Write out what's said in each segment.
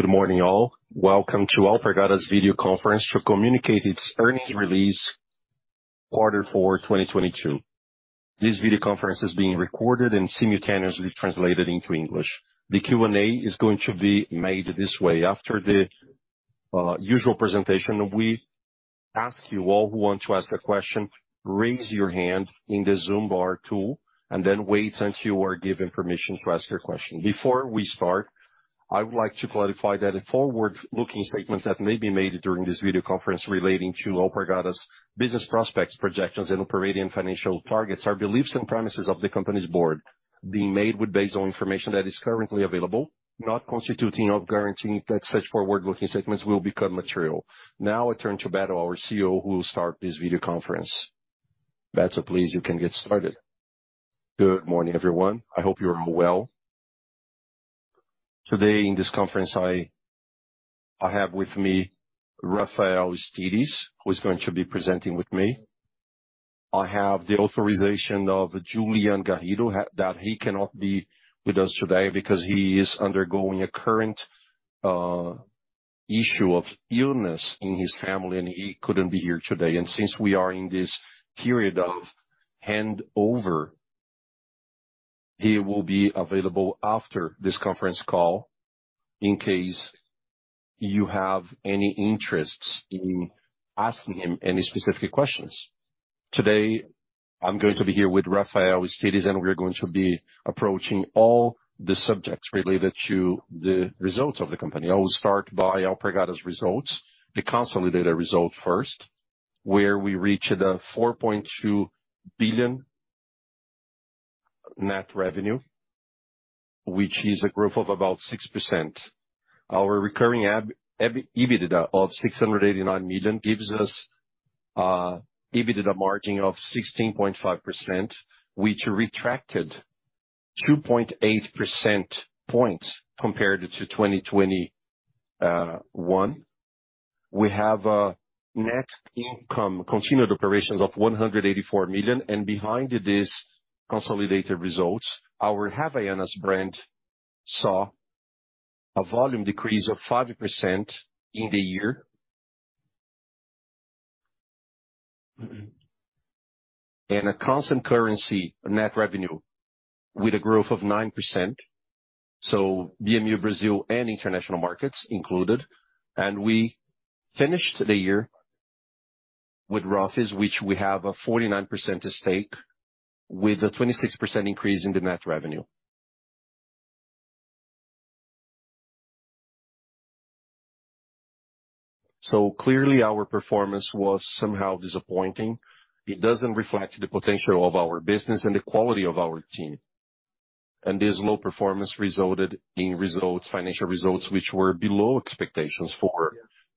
Good morning, all. Welcome to Alpargatas video conference to communicate its earnings release Q4 2022. This video conference is being recorded and simultaneously translated into English. The Q&A is going to be made this way. After the usual presentation, we ask you all who want to ask a question, raise your hand in the Zoom bar tool and then wait until you are given permission to ask your question. Before we start, I would like to clarify that the forward-looking statements that may be made during this video conference relating to Alpargatas business prospects, projections and operating financial targets are beliefs and premises of the company's board being made with based on information that is currently available, not constituting or guaranteeing that such forward-looking statements will become material. I turn to Roberto Funari, our CEO, who will start this video conference., please you can get started. Good morning, everyone. I hope you are well. Today in this conference, I have with me Rafael Grimaldi, who is going to be presenting with me. I have the authorization of Juliano Garrido, that he cannot be with us today because he is undergoing a current issue of illness in his family, and he couldn't be here today. Since we are in this period of handover, he will be available after this conference call in case you have any interests in asking him any specific questions. Today, I'm going to be here with Rafael Grimaldi, and we are going to be approaching all the subjects related to the results of the company. I will start by Alpargatas results. The consolidated result first, where we reached a 4.2 billion net revenue, which is a growth of about 6%. Our recurring EBITDA of 689 million gives us EBITDA margin of 16.5%, which retracted 2.8 percentage points compared to 2021. We have a net income continued operations of 184 million. Behind this consolidated results, our Havaianas brand saw a volume decrease of 5% in the year. A constant currency net revenue with a growth of 9%, so BMU Brazil and international markets included. We finished the year with Rothy's, which we have a 49% stake with a 26% increase in the net revenue. Clearly, our performance was somehow disappointing. It doesn't reflect the potential of our business and the quality of our team. This low performance resulted in results, financial results, which were below expectations for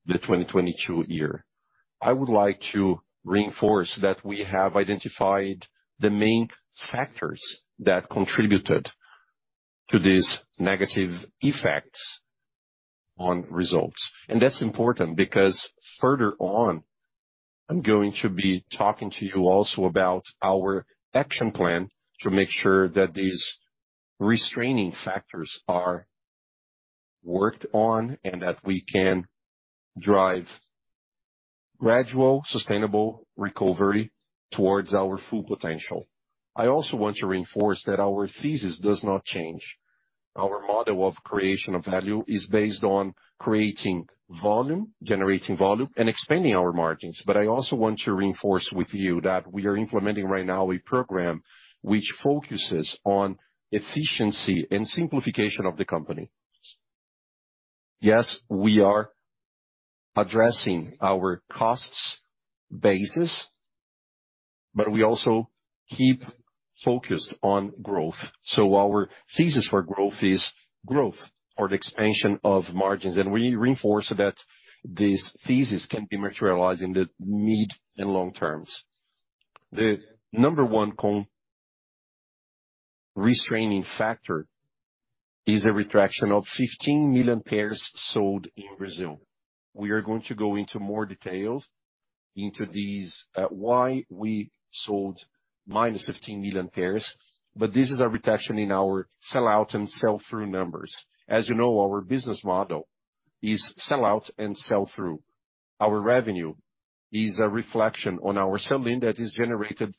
the 2022 year. I would like to reinforce that we have identified the main factors that contributed to these negative effects on results. That's important because further on, I'm going to be talking to you also about our action plan to make sure that these restraining factors are worked on and that we can drive gradual, sustainable recovery towards our full potential. I also want to reinforce that our thesis does not change. Our model of creation of value is based on creating volume, generating volume, and expanding our margins. I also want to reinforce with you that we are implementing right now a program which focuses on efficiency and simplification of the company. Yes, we are addressing our costs basis, but we also keep focused on growth. Our thesis for growth is growth or the expansion of margins. We reinforce that this thesis can be materialized in the mid and long terms. The number one restraining factor is a retraction of 15 million pairs sold in Brazil. We are going to go into more details into these why we sold minus 15 million pairs, but this is a retraction in our sell-out and sell-through numbers. You know, our business model is sell-out and sell-through. Our revenue is a reflection on our selling that is generated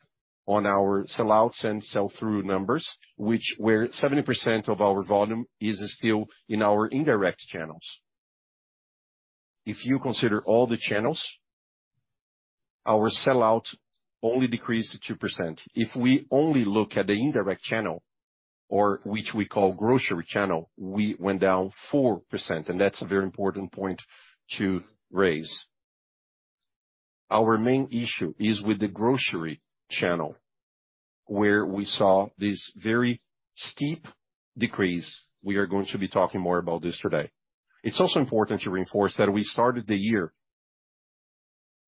on our sell-out and sell-through numbers, which where 70% of our volume is still in our indirect channels. If you consider all the channels, our sell-out only decreased 2%. If we only look at the indirect channel or which we call grocery channel, we went down 4%. That's a very important point to raise. Our main issue is with the grocery channel, where we saw this very steep decrease. We are going to be talking more about this today. It's also important to reinforce that we started the year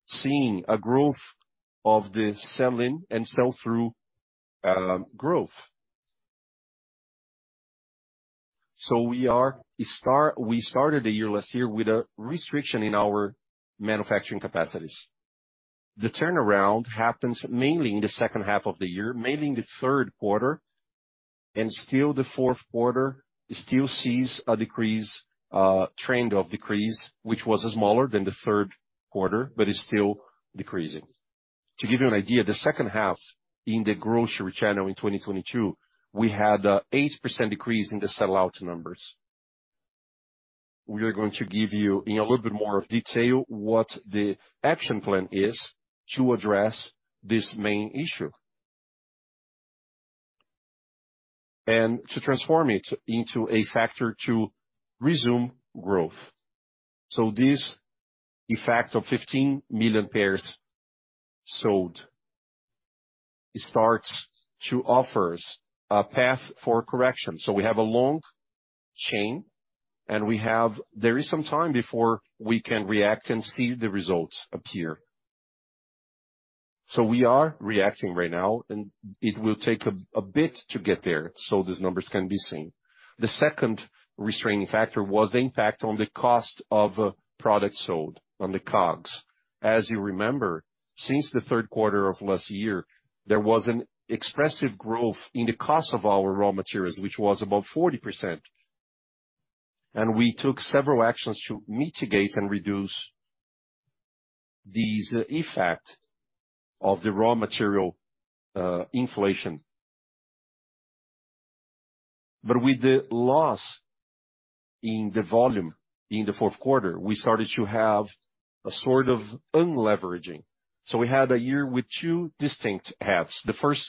seeing a growth of the sell-in and sell-through growth. We started the year last year with a restriction in our manufacturing capacities. The turnaround happens mainly in the second half of the year, mainly in the third quarter, and still the fourth quarter still sees a decrease, trend of decrease, which was smaller than the third quarter, but it's still decreasing. To give you an idea, the second half in the grocery channel in 2022, we had a 8% decrease in the sell-out numbers. We are going to give you in a little bit more detail what the action plan is to address this main issue. To transform it into a factor to resume growth. This effect of 15 million pairs sold, it starts to offer us a path for correction. We have a long chain, and we have some time before we can react and see the results appear. We are reacting right now, and it will take a bit to get there, so these numbers can be seen. The second restraining factor was the impact on the cost of products sold on the COGS. As you remember, since the third quarter of last year, there was an expressive growth in the cost of our raw materials, which was about 40%. We took several actions to mitigate and reduce this effect of the raw material inflation. With the loss in the volume in the fourth quarter, we started to have a sort of unleveraging. We had a year with two distinct halves. The first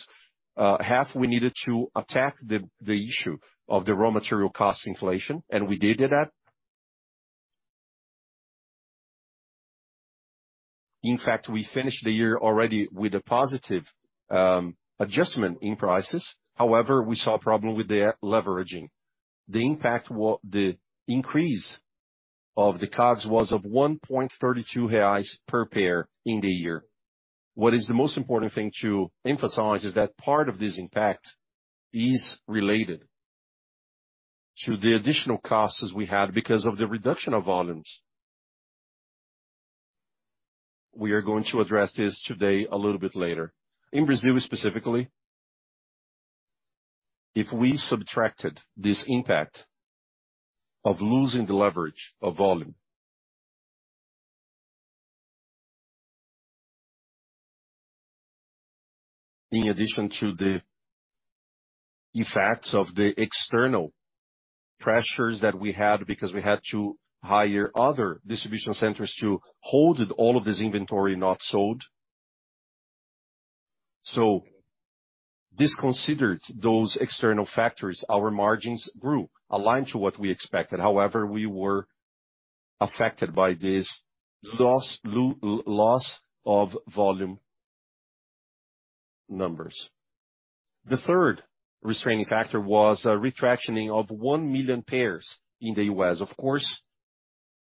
half, we needed to attack the issue of the raw material cost inflation, and we did that. In fact, we finished the year already with a positive adjustment in prices. However, we saw a problem with the leveraging. The increase of the COGS was of 1.32 reais per pair in the year. What is the most important thing to emphasize is that part of this impact is related to the additional costs we had because of the reduction of volumes. We are going to address this today a little bit later. In Brazil, specifically, if we subtracted this impact of losing the leverage of volume. In addition to the effects of the external pressures that we had because we had to hire other distribution centers to hold all of this inventory not sold. This considered those external factors, our margins grew aligned to what we expected. However, we were affected by this loss of volume numbers. The third restraining factor was a retraction of 1 million pairs in the US. Of course,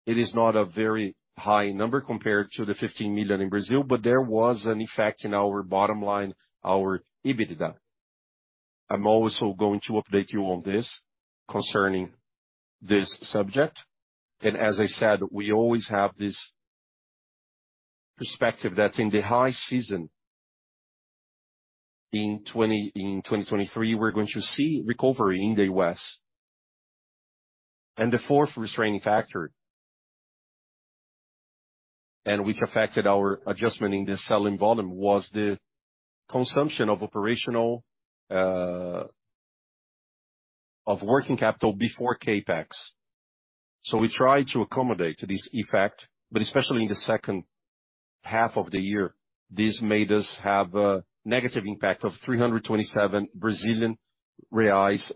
it is not a very high number compared to the 15 million in Brazil, but there was an effect in our bottom line, our EBITDA. I'm also going to update you on this concerning this subject. As I said, we always have this perspective that in the high season in 2023, we're going to see recovery in the US. The fourth restraining factor, and which affected our adjustment in the selling volume, was the consumption of operational of working capital before CapEx. We tried to accommodate this effect, but especially in the second half of the year, this made us have a negative impact of 327 million Brazilian reais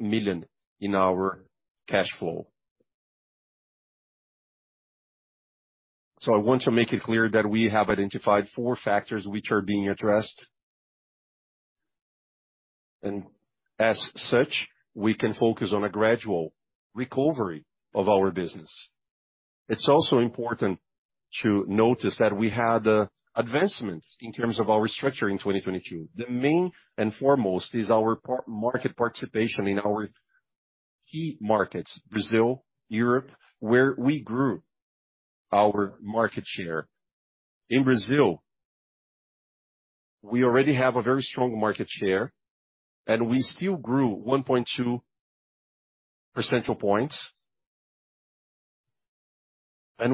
in our cash flow. I want to make it clear that we have identified 4 factors which are being addressed. As such, we can focus on a gradual recovery of our business. It's also important to notice that we had advancements in terms of our restructure in 2022. The main and foremost is our market participation in our key markets, Brazil, Europe, where we grew our market share. In Brazil, we already have a very strong market share, and we still grew 1.2 percentage points.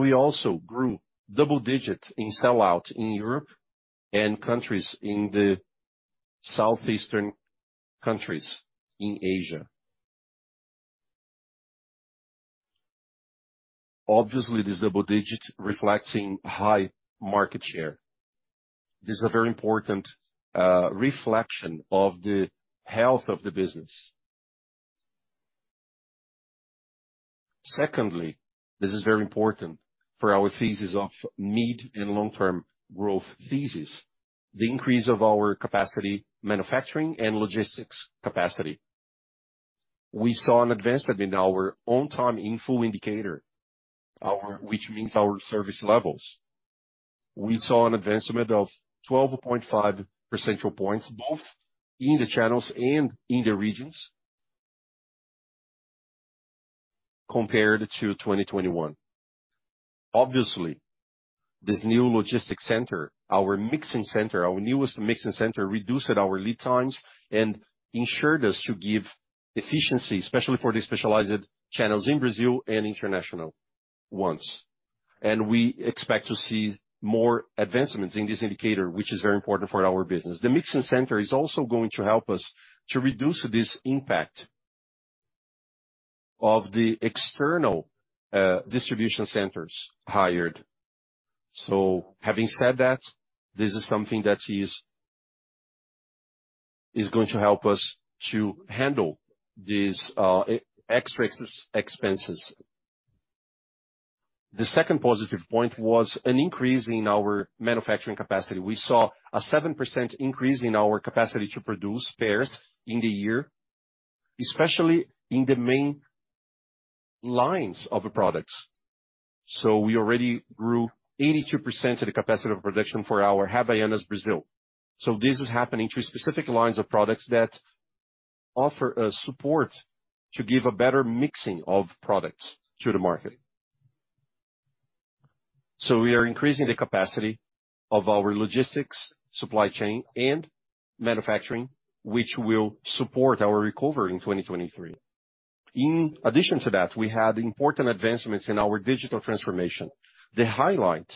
We also grew double-digit in sell-out in Europe and countries in the Southeastern countries in Asia. Obviously, this double-digit reflecting high market share. This is a very important reflection of the health of the business. Secondly, this is very important for our thesis of mid and long-term growth thesis. The increase of our capacity, manufacturing and logistics capacity. We saw an advancement in our on time in full indicator, which means our service levels. We saw an advancement of 12.5 percentage points, both in the channels and in the regions. Compared to 2021. Obviously, this new logistics center, our Mixing Center, our newest Mixing Center reduced our lead times and ensured us to give efficiency, especially for the specialized channels in Brazil and international ones. We expect to see more advancements in this indicator, which is very important for our business. The Mixing Center is also going to help us to reduce this impact of the external distribution centers hired. Having said that, this is something that is going to help us to handle these extra expenses. The second positive point was an increase in our manufacturing capacity. We saw a 7% increase in our capacity to produce pairs in the year, especially in the main lines of the products. We already grew 82% of the capacity of production for our Havaianas Brazil. This is happening to specific lines of products that offer a support to give a better mixing of products to the market. We are increasing the capacity of our logistics, supply chain, and manufacturing, which will support our recovery in 2023. In addition to that, we had important advancements in our digital transformation. The highlight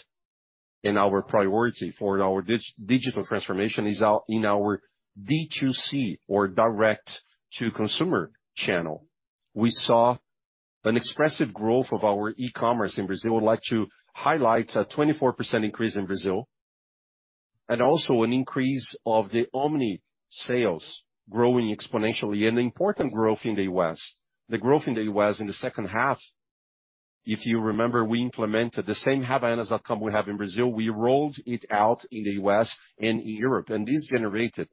in our priority for our digital transformation is in our D2C or direct-to-consumer channel. We saw an expressive growth of our e-commerce in Brazil. I would like to highlight a 24% increase in Brazil and also an increase of the omni sales growing exponentially, and important growth in the U.S. The growth in the U.S. in the second half, if you remember, we implemented the same havaianas.com we have in Brazil. We rolled it out in the U.S. and in Europe. This generated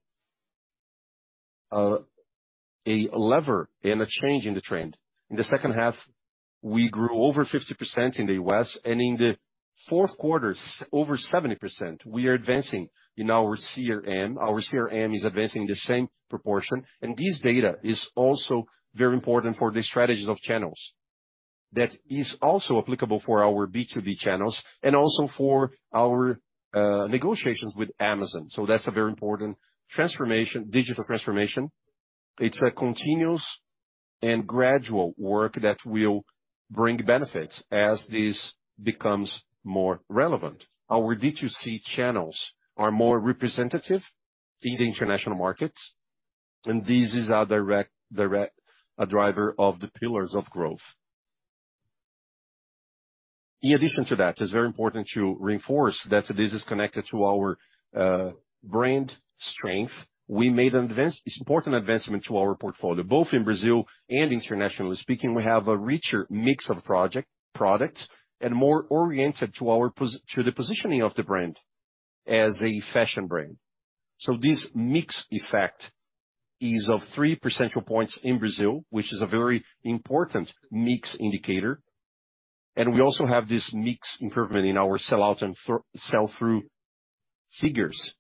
a lever and a change in the trend. In the second half, we grew over 50% in the U.S., and in the fourth quarter, over 70%. We are advancing in our CRM. Our CRM is advancing the same proportion. This data is also very important for the strategies of channels. That is also applicable for our B2B channels and also for our negotiations with Amazon. That's a very important transformation, digital transformation. It's a continuous and gradual work that will bring benefits as this becomes more relevant. Our D2C channels are more representative in the international markets, and this is a direct driver of the pillars of growth. In addition to that, it's very important to reinforce that this is connected to our brand strength. We made an important advancement to our portfolio, both in Brazil and internationally speaking. We have a richer mix of products and more oriented to our positioning of the brand as a fashion brand. This mix effect is of 3 percentile points in Brazil, which is a very important mix indicator. We also have this mix improvement in our sell-out and sell-through figures.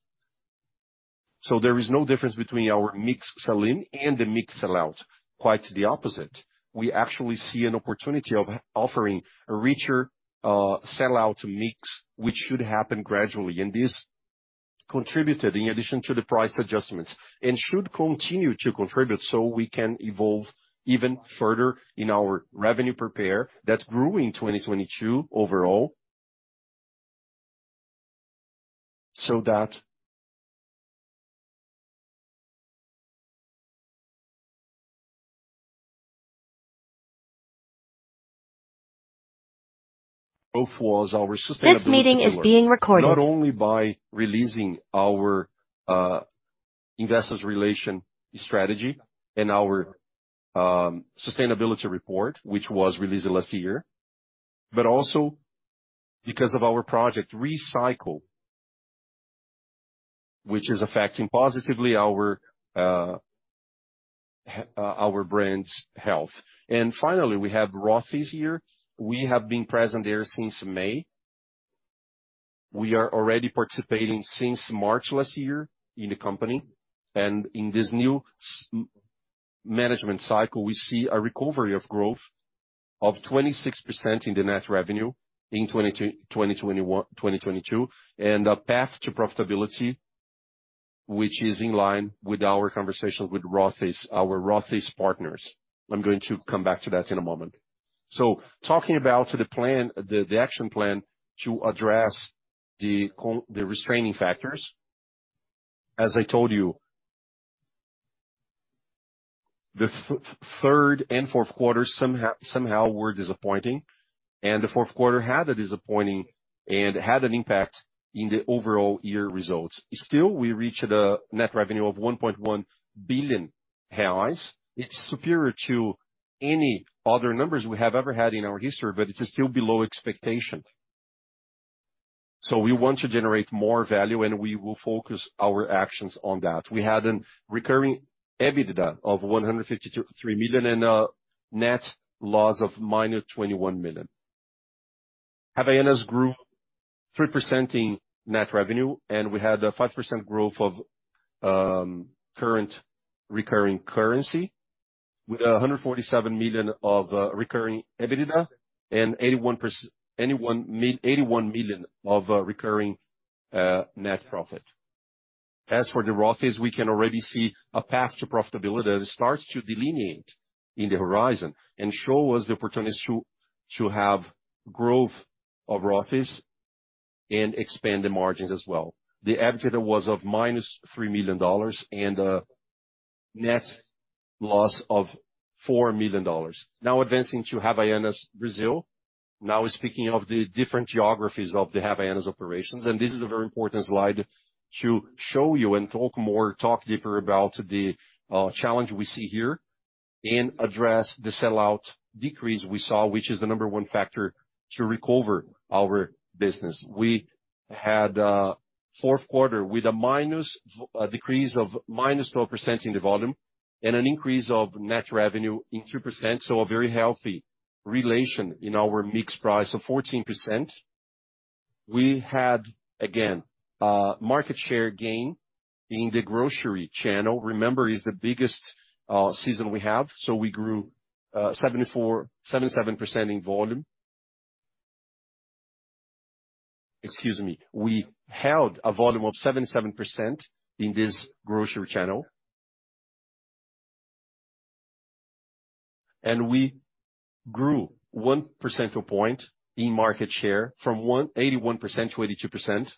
There is no difference between our mix sell-in and the mix sell-out. Quite the opposite. We actually see an opportunity of offering a richer sell-out mix, which should happen gradually. This contributed in addition to the price adjustments and should continue to contribute so we can evolve even further in our revenue per pair that grew in 2022 overall. That Both was our sustainability pillar. This meeting is being recorded. Not only by releasing our investor relations strategy and our sustainability report, which was released last year, but also because of our project Re-ciclo, which is affecting positively our brand's health. Finally, we have Rothy's here. We have been present there since May. We are already participating since March last year in the company. In this new management cycle, we see a recovery of growth of 26% in the net revenue in 2022, and a path to profitability, which is in line with our conversations with Rothy's, our Rothy's partners. I'm going to come back to that in a moment. Talking about the plan, the action plan to address the restraining factors. As I told you, the third and fourth quarters somehow were disappointing, and the fourth quarter had a disappointing and had an impact in the overall year results. Still, we reached a net revenue of 1.1 billion reais. It's superior to any other numbers we have ever had in our history, but it is still below expectation. We want to generate more value, and we will focus our actions on that. We had a recurring EBITDA of 153 million and a net loss of -21 million. Havaianas grew 3% in net revenue, we had a 5% growth of current recurring currency. We got 147 million of recurring EBITDA and 81 million of recurring net profit. As for the Rothy's, we can already see a path to profitability that starts to delineate in the horizon and show us the opportunities to have growth of Rothy's and expand the margins as well. The EBITDA was of $ -3 million and a net loss of $4 million. Advancing to Havaianas, Brazil. Now speaking of the different geographies of the Havaianas operations, This is a very important slide to show you and talk more, talk deeper about the challenge we see here and address the sell-out decrease we saw, which is the number one factor to recover our business. We had a fourth quarter with a decrease of minus 12% in the volume and an increase of net revenue in 2%. A very healthy relation in our mix price of 14%. We had, again, market share gain in the grocery channel. Remember, it's the biggest season we have, so we grew 77% in volume. Excuse me. We held a volume of 77% in this grocery channel. We grew 1% to a point in market share from 81% to 82%.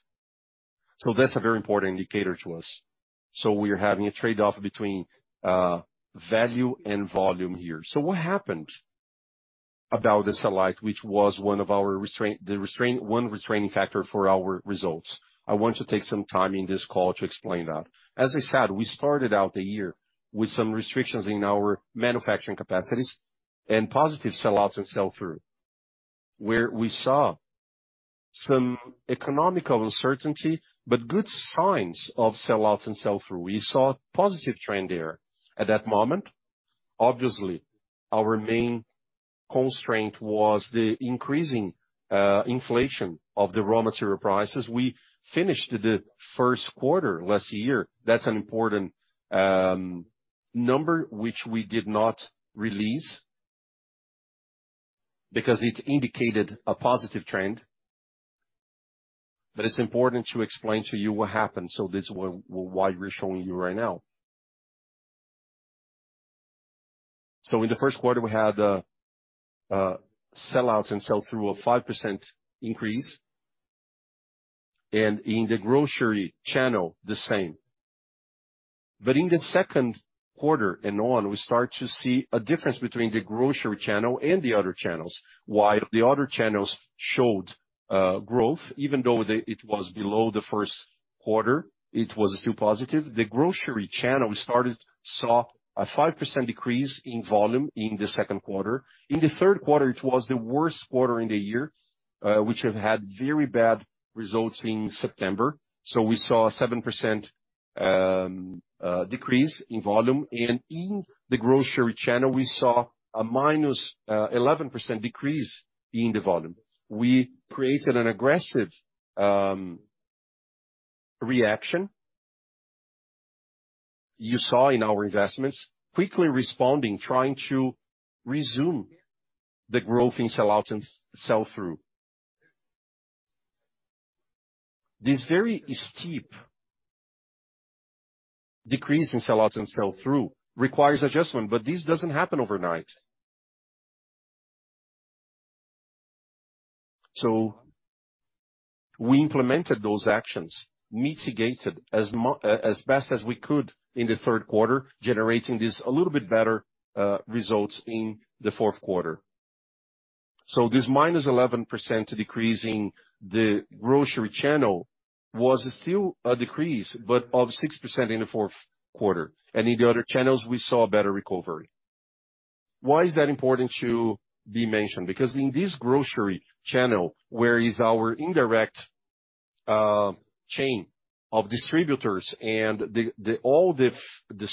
That's a very important indicator to us. We are having a trade-off between value and volume here. What happened about the select, which was one restraining factor for our results? I want to take some time in this call to explain that. As I said, we started out the year with some restrictions in our manufacturing capacities and positive sell-outs and sell-through, where we saw some economical uncertainty, but good signs of sell-outs and sell-through. We saw a positive trend there at that moment. Obviously, our main constraint was the increasing inflation of the raw material prices. We finished the first quarter last year. That's an important number which we did not release because it indicated a positive trend. It's important to explain to you what happened, this is why we're showing you right now. In the first quarter, we had sell-outs and sell-through of 5% increase. In the grocery channel, the same. In the second quarter and on, we start to see a difference between the grocery channel and the other channels. While the other channels showed growth, even though it was below the first quarter, it was still positive. The grocery channel saw a 5% decrease in volume in the second quarter. In the third quarter, it was the worst quarter in the year, which have had very bad results in September. We saw a 7% decrease in volume. In the grocery channel, we saw a minus 11% decrease in the volume. We created an aggressive reaction. You saw in our investments, quickly responding, trying to resume the growth in sell-out and sell-through. This very steep decrease in sell out and sell through requires adjustment. This doesn't happen overnight. We implemented those actions, mitigated as best as we could in the third quarter, generating these a little bit better results in the fourth quarter. This -11% decrease in the grocery channel was still a decrease, but of 6% in the fourth quarter. In the other channels, we saw a better recovery. Why is that important to be mentioned? Because in this grocery channel, where is our indirect chain of distributors and all the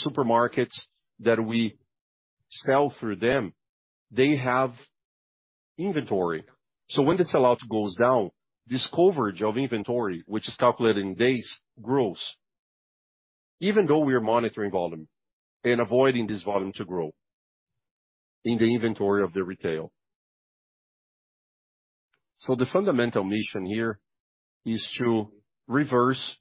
supermarkets that we sell through them, they have inventory. When the sellout goes down, this coverage of inventory, which is calculated in days, grows, even though we are monitoring volume and avoiding this volume to grow in the inventory of the retail. The fundamental mission here is to reverse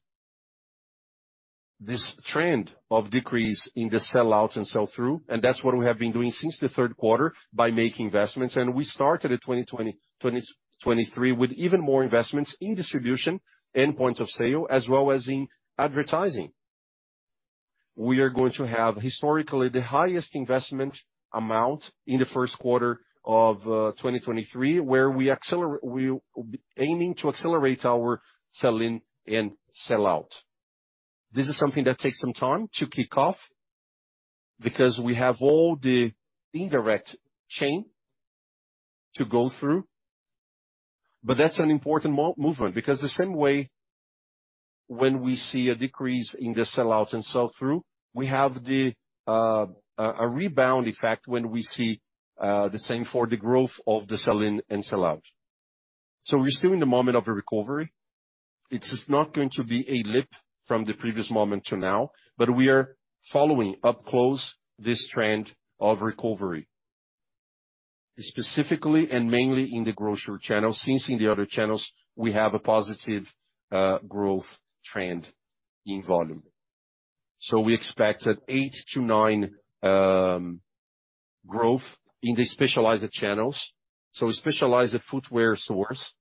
this trend of decrease in the sell-out and sell-through, and that's what we have been doing since the third quarter by making investments. We started in 2020, 2023 with even more investments in distribution and point of sale, as well as in advertising. We are going to have historically the highest investment amount in the first quarter of 2023, where we'll be aiming to accelerate our sell-in and sell-out. This is something that takes some time to kick off because we have all the indirect chain to go through. That's an important movement, because when we see a decrease in the sell-out and sell-through, we have a rebound effect when we see the same for the growth of the sell-in and sell-out. We're still in the moment of a recovery. It is not going to be a leap from the previous moment to now, but we are following up close this trend of recovery. Specifically and mainly in the grocery channel, since in the other channels we have a positive growth trend in volume. We expect that 8%-9% growth in the specialized channels. Specialized footwear stores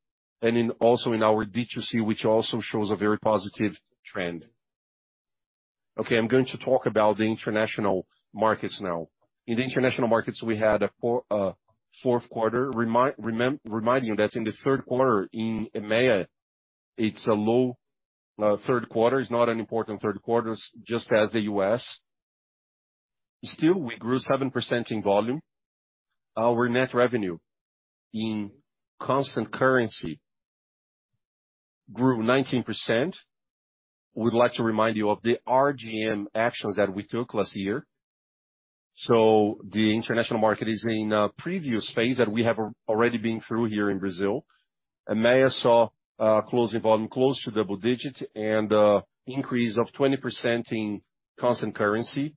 and also in our D2C, which also shows a very positive trend. Okay, I'm going to talk about the international markets now. In the international markets, we had a fourth quarter. Reminding you that in the third quarter in EMEA, it's a low third quarter. It's not an important third quarter, just as the U.S. Still, we grew 7% in volume. Our net revenue in constant currency grew 19%. We'd like to remind you of the RGM actions that we took last year. The international market is in a previous phase that we have already been through here in Brazil. EMEA saw closing volume close to double digit and increase of 20% in constant currency.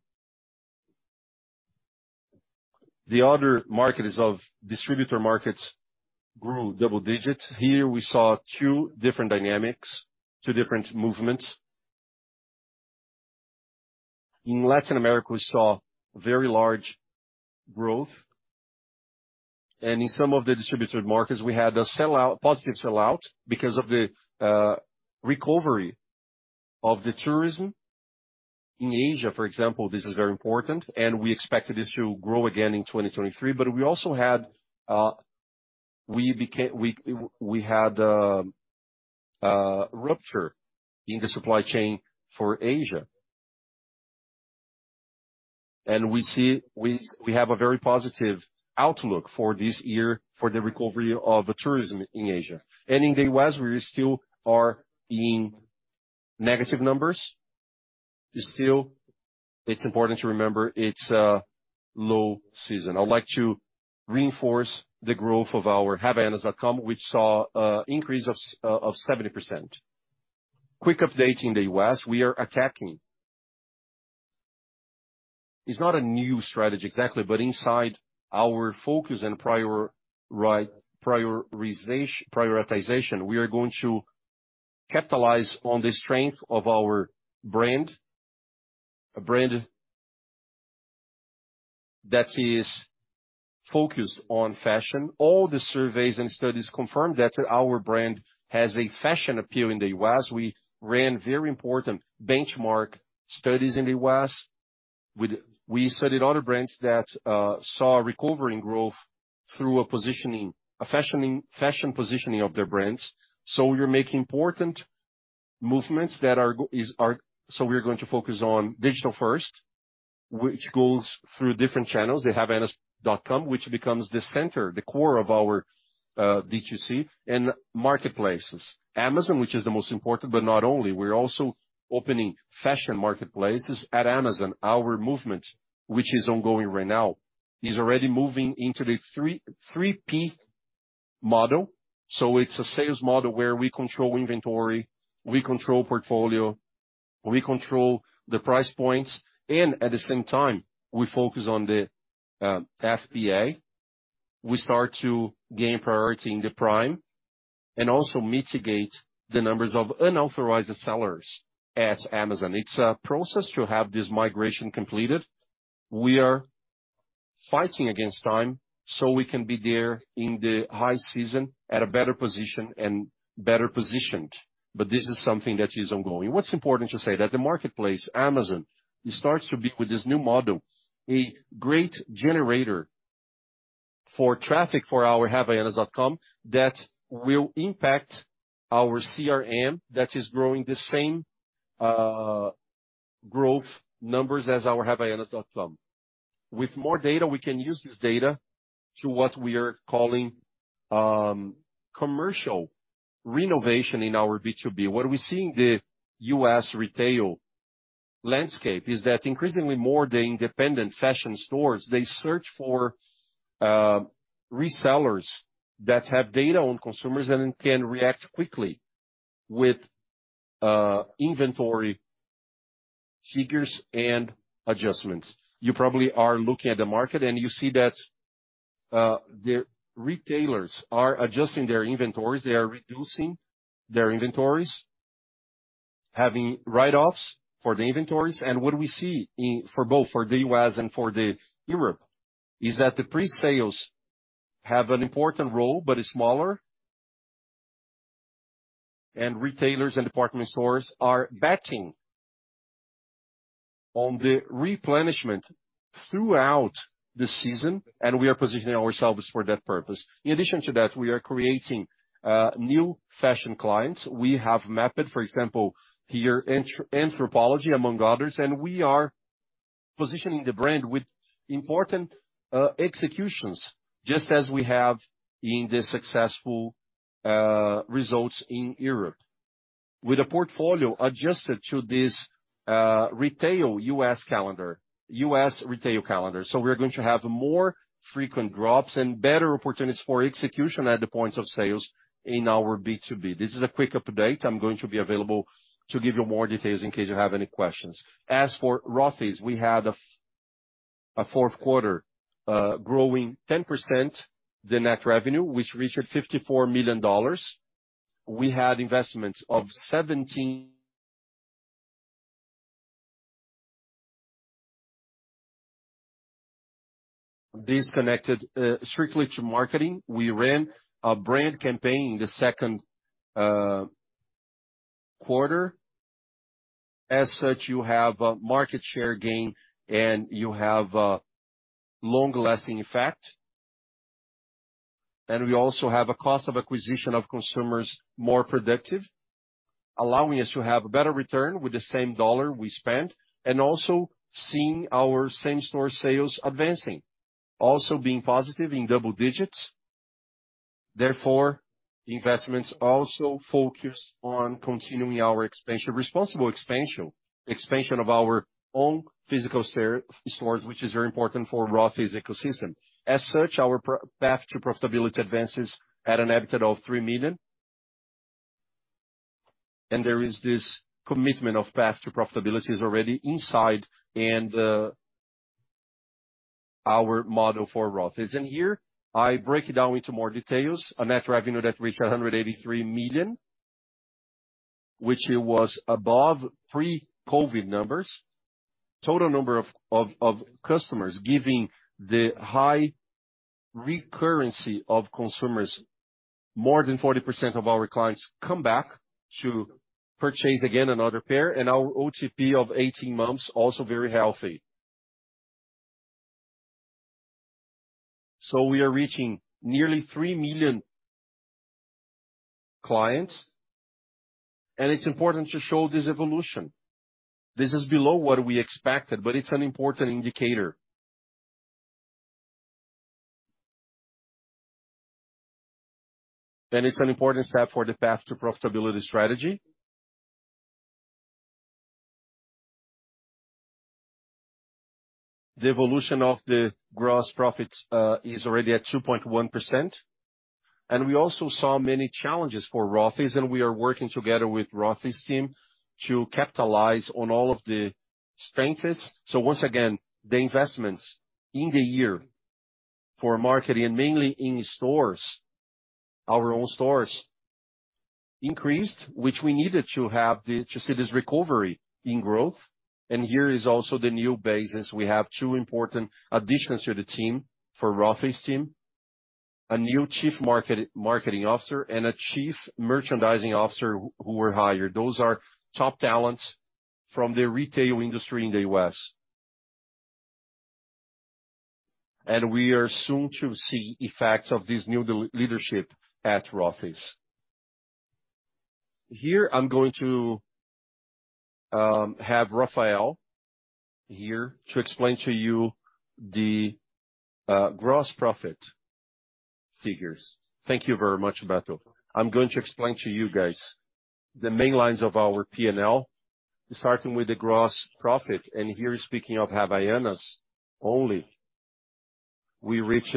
The other market is of distributor markets grew double digit. Here we saw two different dynamics, two different movements. In Latin America, we saw very large growth. In some of the distributor markets, we had a sell-out, positive sell-out because of the recovery of the tourism. In Asia, for example, this is very important, and we expected this to grow again in 2023. We also had rupture in the supply chain for Asia. We have a very positive outlook for this year for the recovery of the tourism in Asia. In the U.S., we still are in negative numbers. Still, it's important to remember it's a low season. I would like to reinforce the growth of our havaianas.com, which saw a increase of 70%. Quick update in the U.S., we are attacking. It's not a new strategy exactly, but inside our focus and prioritization, we are going to capitalize on the strength of our brand, a brand that is focused on fashion. All the surveys and studies confirm that our brand has a fashion appeal in the U.S. We ran very important benchmark studies in the U.S. We studied other brands that saw a recovery in growth through a positioning, fashion positioning of their brands. We are making important movements that we're going to focus on digital first, which goes through different channels. The havaianas.com, which becomes the center, the core of our D2C and marketplaces. Amazon, which is the most important, but not only. We're also opening fashion marketplaces at Amazon. Our movement, which is ongoing right now, is already moving into the 3P model. It's a sales model where we control inventory, we control portfolio, we control the price points, and at the same time, we focus on the FBA. We start to gain priority in the Prime and also mitigate the numbers of unauthorized sellers at Amazon. It's a process to have this migration completed. We are fighting against time, so we can be there in the high season at a better position and better positioned. This is something that is ongoing. What's important to say that the marketplace, Amazon, it starts to be, with this new model, a great generator for traffic for our havaianas.com that will impact our CRM that is growing the same growth numbers as our havaianas.com. With more data, we can use this data to what we are calling commercial renovation in our B2B. What we see in the U.S. retail landscape is that increasingly more the independent fashion stores, they search for resellers that have data on consumers and can react quickly with inventory figures and adjustments. You probably are looking at the market and you see that the retailers are adjusting their inventories. They are reducing their inventories, having write-offs for the inventories. What we see for both for the U.S. and for the Europe is that the pre-sales have an important role, but it's smaller. Retailers and department stores are betting on the replenishment throughout the season, and we are positioning ourselves for that purpose. In addition to that, we are creating new fashion clients. We have mapped, for example, here Anthropologie among others, and we are positioning the brand with important executions just as we have in the successful results in Europe. With a portfolio adjusted to this retail U.S. calendar, U.S. retail calendar. We're going to have more frequent drops and better opportunities for execution at the point of sales in our B2B. This is a quick update. I'm going to be available to give you more details in case you have any questions. As for Rothy's, we had a fourth quarter, growing 10% the net revenue, which reached $54 million. We had investments. This connected strictly to marketing. We ran a brand campaign in the second quarter. As such, you have a market share gain, and you have a long-lasting effect. We also have a cost of acquisition of consumers more productive, allowing us to have a better return with the same dollar we spent, and also seeing our same-store sales advancing, also being positive in double digits. Therefore, the investments also focus on continuing our expansion, responsible expansion of our own physical stores, which is very important for Rothy's ecosystem. As such, our path to profitability advances at an EBITDA of $3 million. There is this commitment of path to profitability is already inside and our model for Rothy's. Here I break it down into more details. A net revenue that reached 183 million, which it was above pre-COVID numbers. Total number of customers giving the high recurrency of consumers. More than 40% of our clients come back to purchase again another pair, and our OTP of 18 months also very healthy. We are reaching nearly 3 million clients, and it's important to show this evolution. This is below what we expected, but it's an important indicator. It's an important step for the path to profitability strategy. The evolution of the gross profits is already at 2.1%. We also saw many challenges for Rothy's, and we are working together with Rothy's team to capitalize on all of the strengths. Once again, the investments in the year for marketing and mainly in stores, our own stores, increased, which we needed to have to see this recovery in growth. Here is also the new business. We have two important additions to the team for Rothy's team, a new Chief Marketing Officer and a Chief Merchandising Officer who were hired. Those are top talents from the retail industry in the U.S. We are soon to see effects of this new leadership at Rothy's. Here, I'm going to have Rafael here to explain to you the gross profit figures. Thank you very much, Beto. I'm going to explain to you guys the main lines of our P&L, starting with the gross profit. Here, speaking of Havaianas only, we reached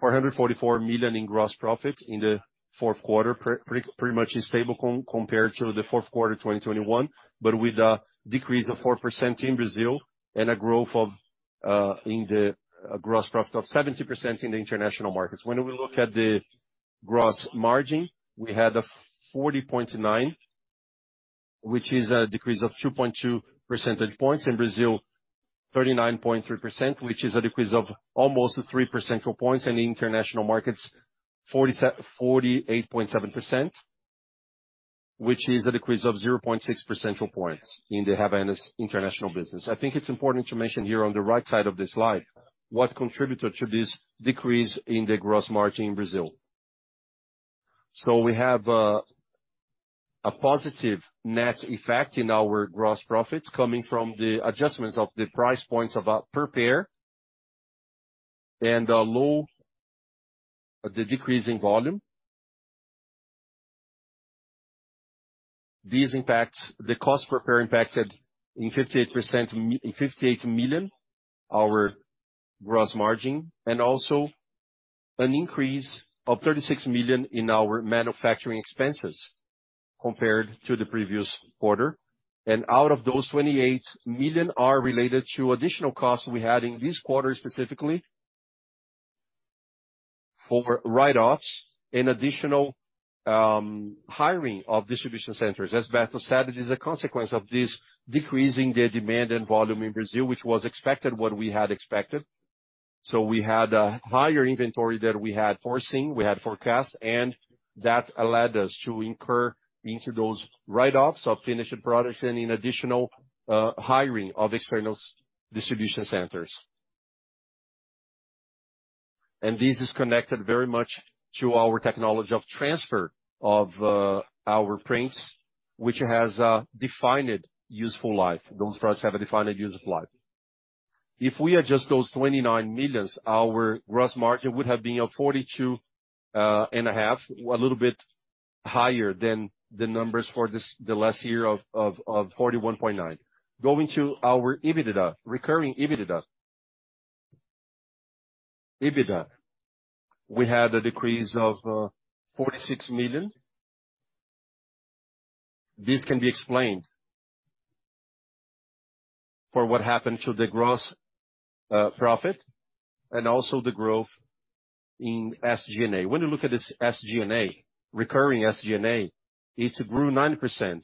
444 million in gross profit in the fourth quarter, pretty much stable compared to the fourth quarter 2021, with a decrease of 4% in Brazil and a growth in the gross profit of 70% in the international markets. When we look at the gross margin, we had 40.9, which is a decrease of 2.2 percentage points. In Brazil, 39.3%, which is a decrease of almost 3 percentile points. In the international markets, 48.7%, which is a decrease of 0.6 percentile points in the Havaianas international business. I think it's important to mention here on the right side of this slide what contributed to this decrease in the gross margin in Brazil. We have a positive net effect in our gross profits coming from the adjustments of the price points per pair and the decrease in volume. These impacts, the cost per pair impacted in 58 million our gross margin, and also an increase of 36 million in our manufacturing expenses compared to the previous quarter. Out of those, 28 million are related to additional costs we had in this quarter, specifically for write-offs and additional hiring of distribution centers. As Beto said, it is a consequence of this decrease in the demand and volume in Brazil, which was expected, what we had expected. We had a higher inventory that we had foreseen, we had forecast, and that allowed us to incur into those write-offs of finished products and in additional hiring of external distribution centers. This is connected very much to our technology of transfer of our prints, which has a defined useful life. Those products have a defined useful life. If we adjust those 29 million, our gross margin would have been 42.5%, a little bit higher than the numbers for the last year of 41.9%. Going to our EBITDA, recurring EBITDA. EBITDA, we had a decrease of 46 million. This can be explained for what happened to the gross profit and also the growth in SG&A. When you look at this SG&A, recurring SG&A, it grew 9%.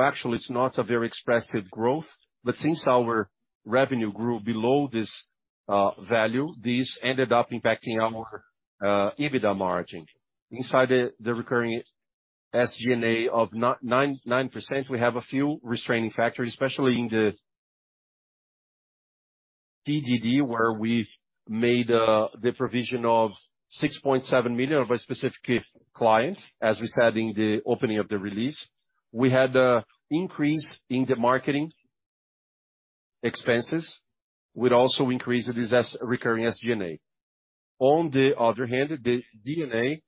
Actually it's not a very expressive growth. Since our revenue grew below this, value, this ended up impacting our EBITDA margin. Inside the recurring SG&A of 9%, we have a few restraining factors, especially in the PDD, where we've made the provision of 6.7 million of a specific client, as we said in the opening of the release. We had a increase in the marketing expenses, which also increased this recurring SG&A. The D&A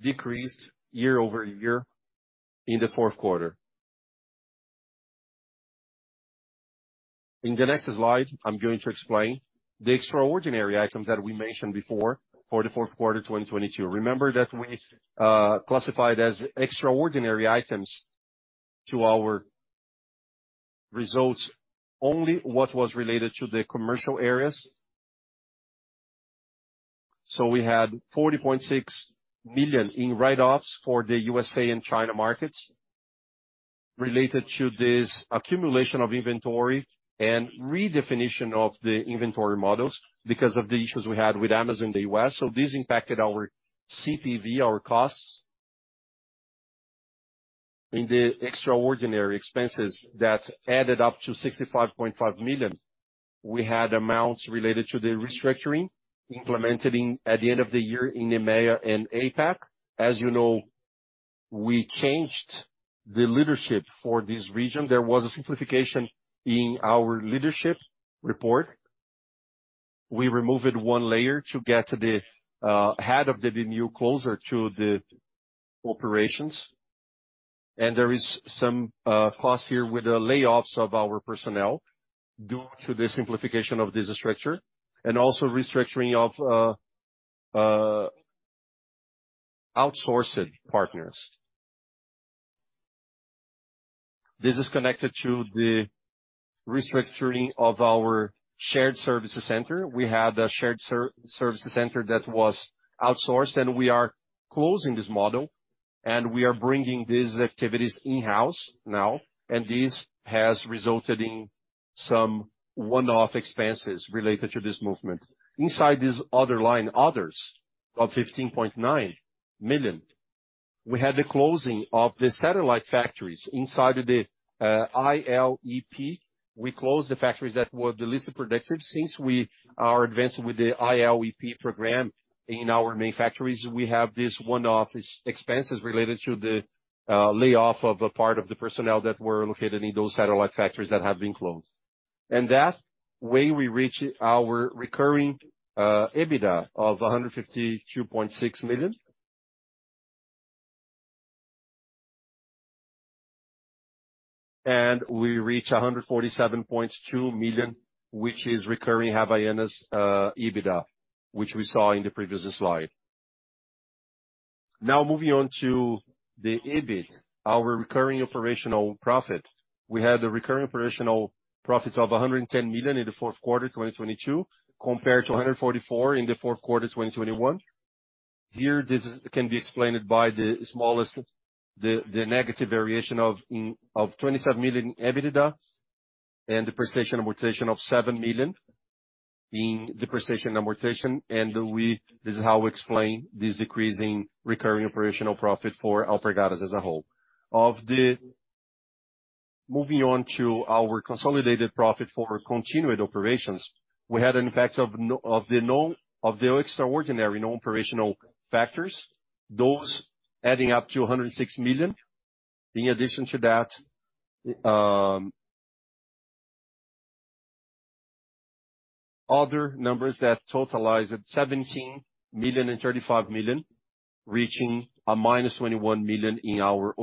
decreased year-over-year in the fourth quarter. In the next slide, I'm going to explain the extraordinary items that we mentioned before for the fourth quarter, 2022. Remember that we classified as extraordinary items to our results, only what was related to the commercial areas. We had $40.6 million in write-offs for the USA and China markets related to this accumulation of inventory and redefinition of the inventory models because of the issues we had with Amazon, the US. This impacted our CPV, our costs. In the extraordinary expenses that added up to $65.5 million, we had amounts related to the restructuring implemented at the end of the year in EMEA and APAC. As you know, we changed the leadership for this region. There was a simplification in our leadership report. We removed one layer to get the head of the region closer to the operations. There is some costs here with the layoffs of our personnel due to the simplification of this structure and also restructuring of outsourced partners. This is connected to the restructuring of our shared services center. We had a shared services center that was outsourced. We are closing this model. We are bringing these activities in-house now. This has resulted in some one-off expenses related to this movement. Inside this other line, others of 15.9 million, we had the closing of the satellite factories inside the ILEP. We closed the factories that were the least productive. Since we are advancing with the ILEP program in our main factories, we have this one-off expenses related to the layoff of a part of the personnel that were located in those satellite factories that have been closed. That way we reach our recurring EBITDA of BRL 152.6 million. We reach 147.2 million, which is recurring Havaianas EBITDA, which we saw in the previous slide. Moving on to the EBIT, our recurring operational profit. We had a recurring operational profit of 110 million in the fourth quarter 2022, compared to 144 million in the fourth quarter 2021. This can be explained by the negative variation of 27 million EBITDA and depreciation and amortization of 7 million in depreciation and amortization. This is how we explain this decrease in recurring operational profit for Alpargatas as a whole. Moving on to our consolidated profit for continued operations, we had an impact of the extraordinary non-operational factors, those adding up to 106 million. In addition to that, other numbers that totalized 17 million and 35 million, reaching a minus 21 million in our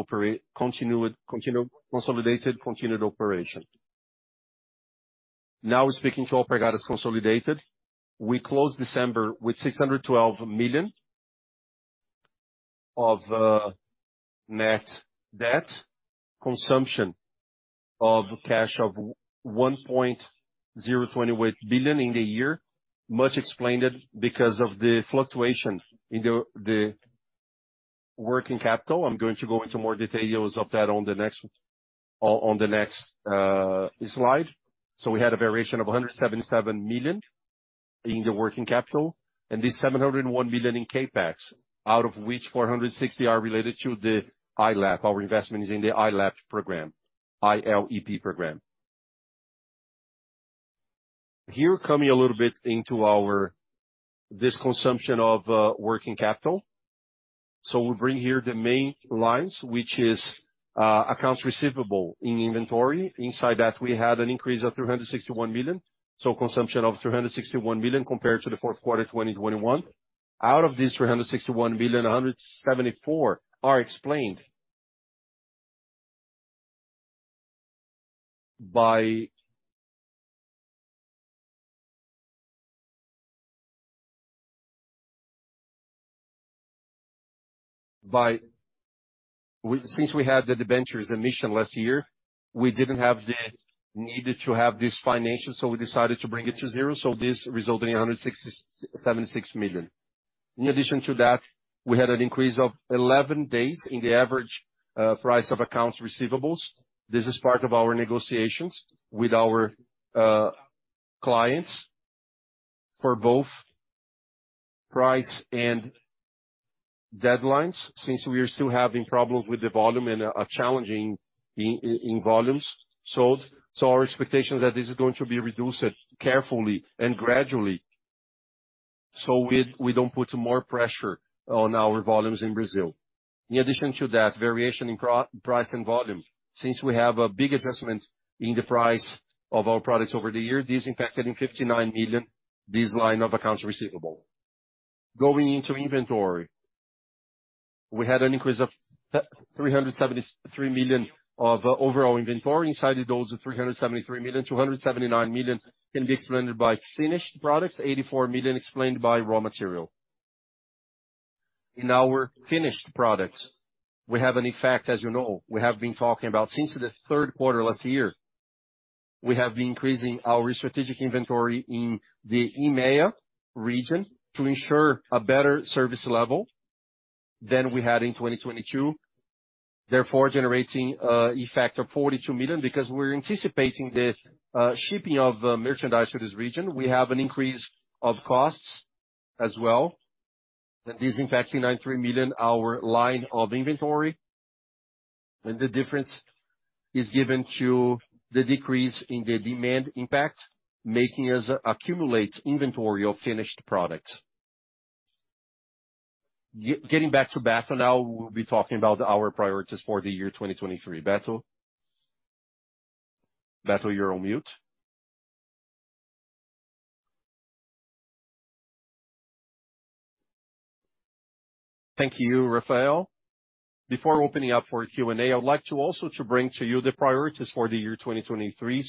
consolidated continued operation. Speaking to Alpargatas consolidated, we closed December with 612 million of net debt, consumption of cash of 1.028 billion in the year, much explained because of the fluctuation in the working capital. I'm going to go into more details of that on the next slide. We had a variation of 177 million. In the working capital and 701 million in CapEx, out of which 460 million are related to the ILEP. Our investment is in the ILEP program, I-L-E-P program. Coming a little bit into our. This consumption of working capital. We bring here the main lines, which is accounts receivable in inventory. Inside that, we had an increase of 361 million, consumption of 361 million compared to the fourth quarter 2021. Out of these 361 million, 174 are explained. We had the debentures admission last year, we didn't have the need to have this financial. We decided to bring it to zero. This resulted in 176 million. In addition to that, we had an increase of 11 days in the average price of accounts receivables. This is part of our negotiations with our clients for both price and deadlines, since we are still having problems with the volume and are challenging in volumes sold. Our expectation is that this is going to be reduced carefully and gradually, so we don't put more pressure on our volumes in Brazil. In addition to that variation in price and volume, since we have a big adjustment in the price of our products over the year, this impacted in 59 million, this line of accounts receivable. Going into inventory, we had an increase of 373 million of overall inventory. Inside those 373 million, 279 million can be explained by finished products, 84 million explained by raw material. In our finished products, we have an effect, as you know, we have been talking about since the 3rd quarter last year. We have been increasing our strategic inventory in the EMEA region to ensure a better service level than we had in 2022. Generating an effect of 42 million because we're anticipating the shipping of merchandise to this region. We have an increase of costs as well. This impacts in 93 million our line of inventory. The difference is given to the decrease in the demand impact, making us accumulate inventory of finished product. Getting back to Beto now, we'll be talking about our priorities for the year 2023. Beto? Beto, you're on mute. Thank you, Rafael. Before opening up for Q&A, I'd like to also to bring to you the priorities for the year 2023,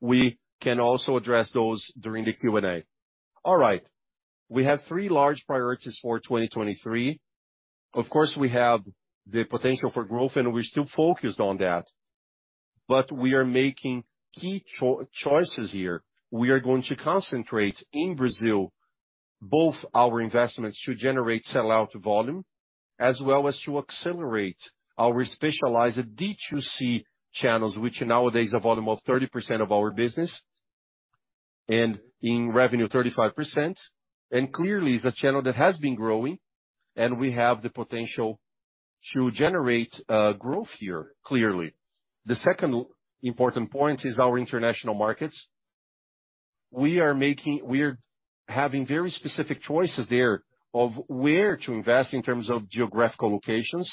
we can also address those during the Q&A. All right. We have three large priorities for 2023. Of course, we have the potential for growth, and we're still focused on that. We are making key choices here. We are going to concentrate in Brazil, both our investments to generate sell-out volume, as well as to accelerate our specialized D2C channels, which nowadays a volume of 30% of our business, and in revenue, 35%. Clearly is a channel that has been growing, and we have the potential to generate growth here, clearly. The second important point is our international markets. We're having very specific choices there of where to invest in terms of geographical locations.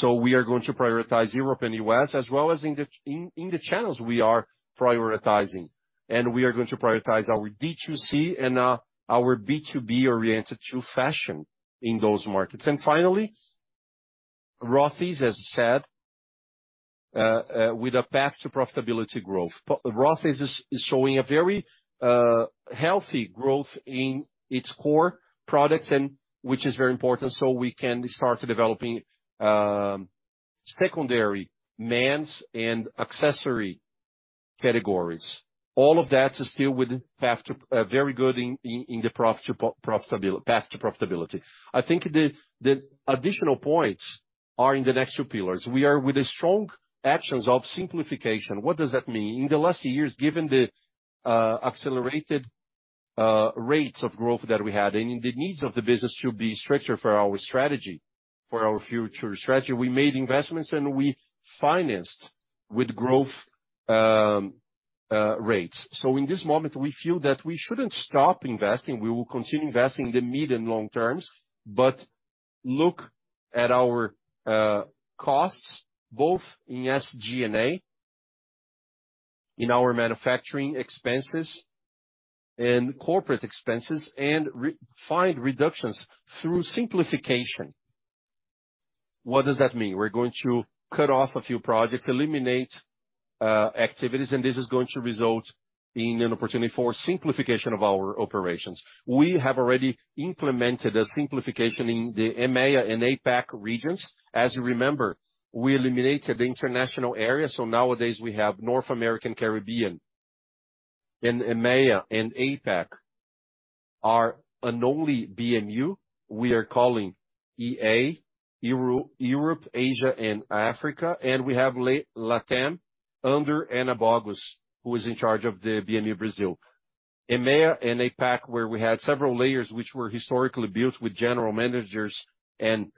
We are going to prioritize Europe and US, as well as in the channels we are prioritizing. We are going to prioritize our D2C and our B2B oriented to fashion in those markets. Finally, Rothy's, as I said, with a path to profitability growth. Rothy's is showing a very healthy growth in its core products and which is very important, so we can start developing secondary men's and accessory categories. All of that is still with path to profitability. I think the additional points are in the next two pillars. We are with a strong actions of simplification. What does that mean? In the last years, given the accelerated rates of growth that we had and the needs of the business to be structured for our strategy, for our future strategy, we made investments, and we financed with growth rates. In this moment, we feel that we shouldn't stop investing. We will continue investing in the mid and long terms, look at our costs, both in SG&A, in our manufacturing expenses and corporate expenses, and refind reductions through simplification. What does that mean? We're going to cut off a few projects, eliminate activities, and this is going to result in an opportunity for simplification of our operations. We have already implemented a simplification in the EMEA and APAC regions. As you remember, we eliminated the international area, nowadays we have North American Caribbean and EMEA and APAC are an only BMU. We are calling EA, Europe, Asia and Africa. We have Latam, under Ana Barone, who is in charge of the BMU Brazil. EMEA and APAC, where we had several layers which were historically built with general managers and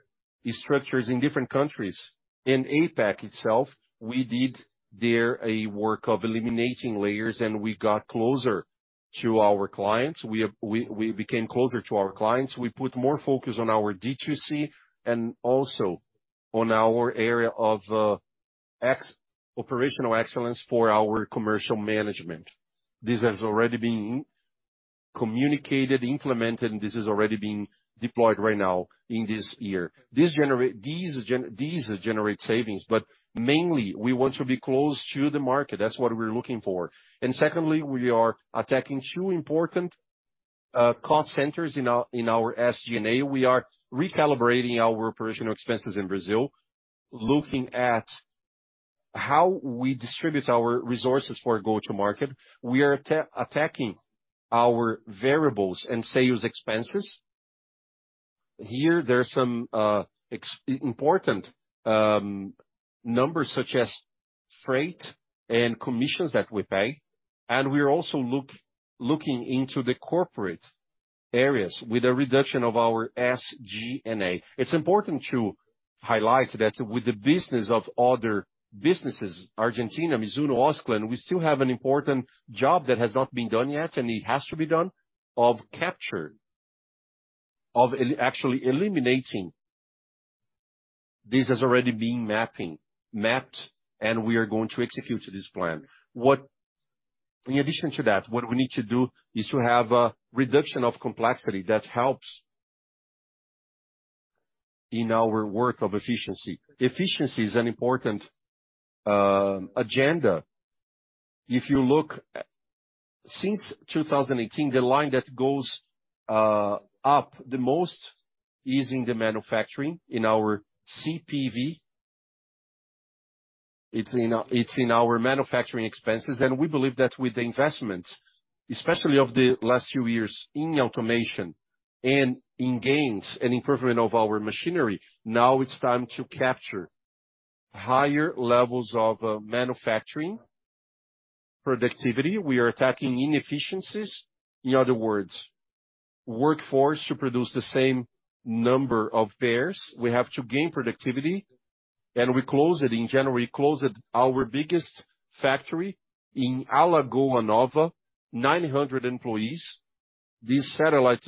structures in different countries. In APAC itself, we did there a work of eliminating layers. We got closer to our clients. We became closer to our clients. We put more focus on our D2C and also on our area of operational excellence for our commercial management. This has already been communicated, implemented, and this is already being deployed right now in this year. These generate savings. Mainly, we want to be close to the market. That's what we're looking for. Secondly, we are attacking two important cost centers in our SG&A. We are recalibrating our operational expenses in Brazil, looking at how we distribute our resources for go-to-market. We are attacking our variables and sales expenses. Here, there are some important numbers such as freight and commissions that we pay, and we are also looking into the corporate areas with a reduction of our SG&A. It's important to highlight that with the business of other businesses, Argentina, Mizuno, Osklen, we still have an important job that has not been done yet, and it has to be done, of capture, of actually eliminating. This has already been mapped, and we are going to execute this plan. In addition to that, what we need to do is to have a reduction of complexity that helps in our work of efficiency. Efficiency is an important agenda. Since 2018, the line that goes up the most is in the manufacturing in our CPV. It's in our manufacturing expenses. We believe that with the investments, especially of the last few years in automation and in gains and improvement of our machinery, now it's time to capture higher levels of manufacturing productivity. We are attacking inefficiencies. In other words, workforce to produce the same number of pairs. We have to gain productivity. We closed it in January, our biggest factory in Alagoas Nova, 900 employees. This satellite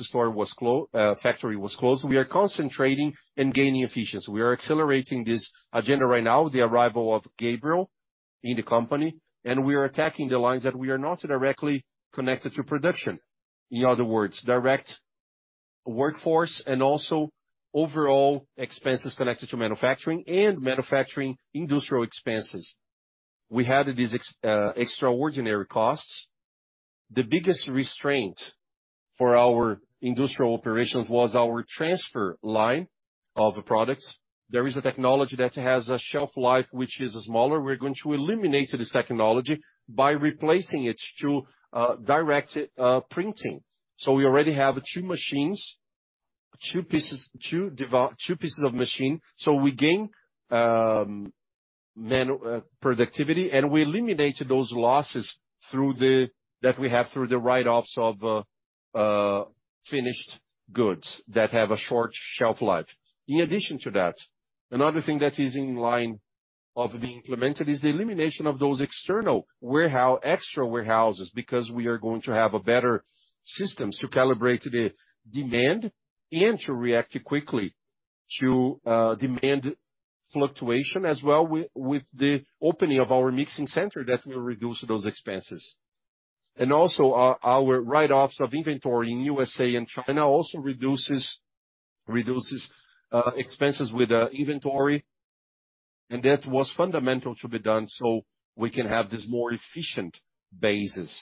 factory was closed. We are concentrating and gaining efficiency. We are accelerating this agenda right now with the arrival of Gabriel in the company, and we are attacking the lines that we are not directly connected to production. In other words, direct workforce and also overall expenses connected to manufacturing and manufacturing industrial expenses. We had these extraordinary costs. The biggest restraint for our industrial operations was our transfer line of products. There is a technology that has a shelf life which is smaller. We're going to eliminate this technology by replacing it through direct printing. We already have two machines, two pieces of machine. We gain man productivity, and we eliminate those losses through that we have through the write-offs of finished goods that have a short shelf life. In addition to that, another thing that is in line of being implemented is the elimination of those external warehouse, extra warehouses, because we are going to have a better system to calibrate the demand and to react quickly to demand fluctuation as well. With the opening of our Mixing Center that will reduce those expenses. Also our write-offs of inventory in USA and China also reduces expenses with inventory. That was fundamental to be done so we can have this more efficient basis.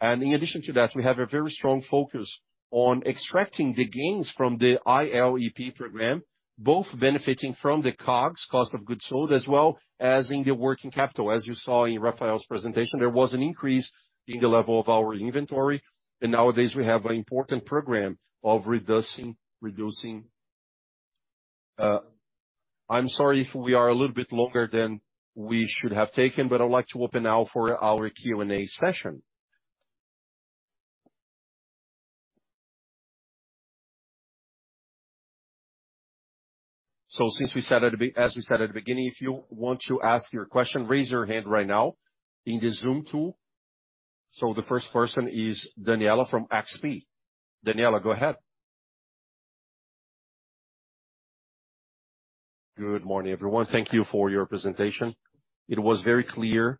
In addition to that, we have a very strong focus on extracting the gains from the ILEP program, both benefiting from the COGS, cost of goods sold, as well as in the working capital. As you saw in Rafael's presentation, there was an increase in the level of our inventory. Nowadays we have an important program of reducing. I'm sorry if we are a little bit longer than we should have taken, but I'd like to open now for our Q&A session. Since we said at the beginning, if you want to ask your question, raise your hand right now in the Zoom tool. The first person is Daniela from XP. Daniela, go ahead. Good morning, everyone. Thank you for your presentation. It was very clear.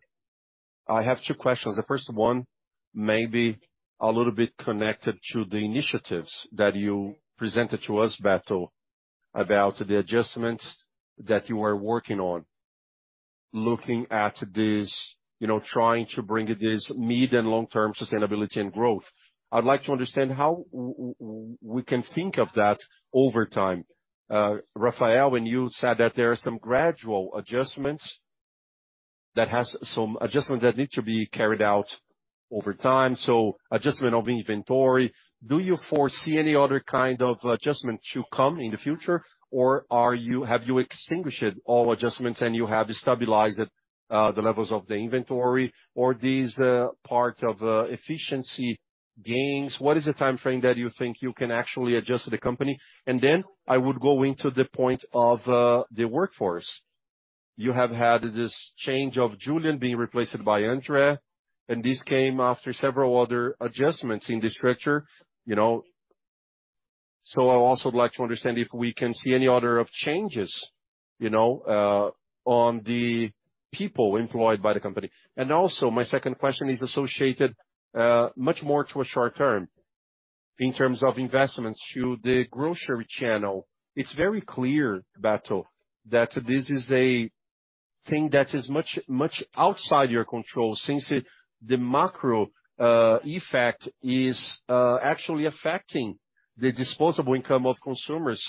I have 2 questions. The first one may be a little bit connected to the initiatives that you presented to us, Beto, about the adjustments that you are working on. Looking at this, you know, trying to bring this mid and long-term sustainability and growth. I'd like to understand how we can think of that over time. Rafael, when you said that there are some gradual adjustments that has some adjustments that need to be carried out over time, so adjustment of inventory. Do you foresee any other kind of adjustment to come in the future or have you extinguished all adjustments and you have stabilized the levels of the inventory or these part of efficiency gains? What is the timeframe that you think you can actually adjust the company? I would go into the point of the workforce. You have had this change of Juliano being replaced by André Natal. This came after several other adjustments in the structure, you know. I would also like to understand if we can see any other of changes, you know, on the people employed by the company. Also my second question is associated much more to a short term in terms of investments to the grocery channel. It's very clear, Beto, that this is a thing that is much, much outside your control since the macro effect is actually affecting the disposable income of consumers.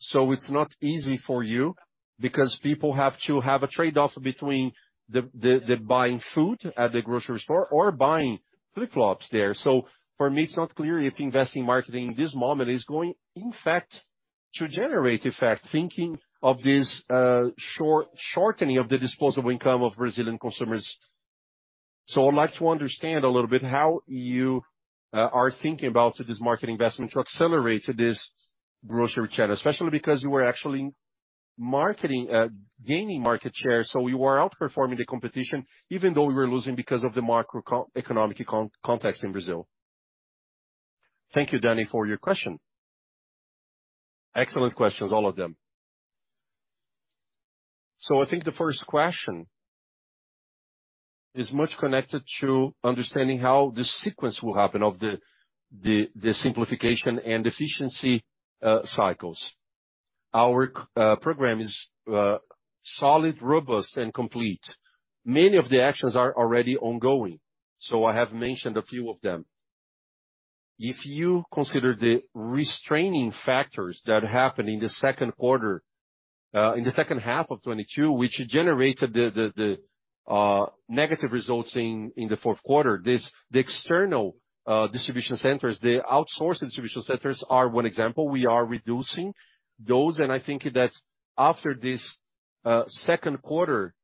It's not easy for you because people have to have a trade-off between the buying food at the grocery store or buying flip-flops there. For me, it's not clear if investing marketing this moment is going, in fact, to generate effect, thinking of this shortening of the disposable income of Brazilian consumers. I'd like to understand a little bit how you are thinking about this market investment to accelerate this grocery channel, especially because you are actually marketing, gaining market share. You are outperforming the competition, even though you are losing because of the macroeconomic context in Brazil. Thank you, Danny, for your question. Excellent questions, all of them. I think the first question is much connected to understanding how the sequence will happen of the simplification and efficiency cycles. Our program is solid, robust and complete. Many of the actions are already ongoing, so I have mentioned a few of them. If you consider the restraining factors that happened in the 2nd quarter, in the 2nd half of 2022, which generated the negative results in the 4th quarter, the external distribution centers, the outsourced distribution centers are 1 example. We are reducing those, and I think that after this 2nd quarter,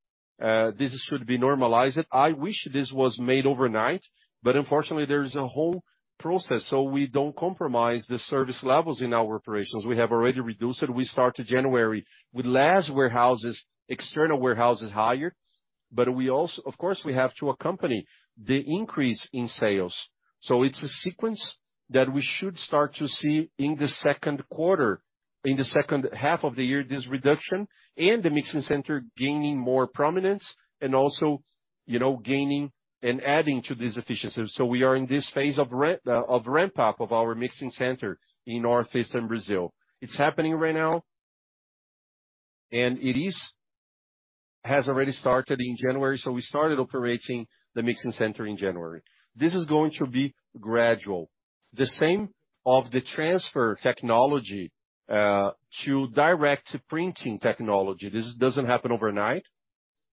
this should be normalized. I wish this was made overnight. Unfortunately, there is a whole process, so we don't compromise the service levels in our operations. We have already reduced it. We start January with less warehouses, external warehouses hired. Of course, we have to accompany the increase in sales. It's a sequence that we should start to see in the second quarter, in the second half of the year, this reduction and the Mixing Center gaining more prominence and also, you know, gaining and adding to this efficiency. We are in this phase of ramp-up of our Mixing Center in Northeast and Brazil. It's happening right now, and it has already started in January, so we started operating the Mixing Center in January. This is going to be gradual. The same of the transfer technology to direct printing technology. This doesn't happen overnight,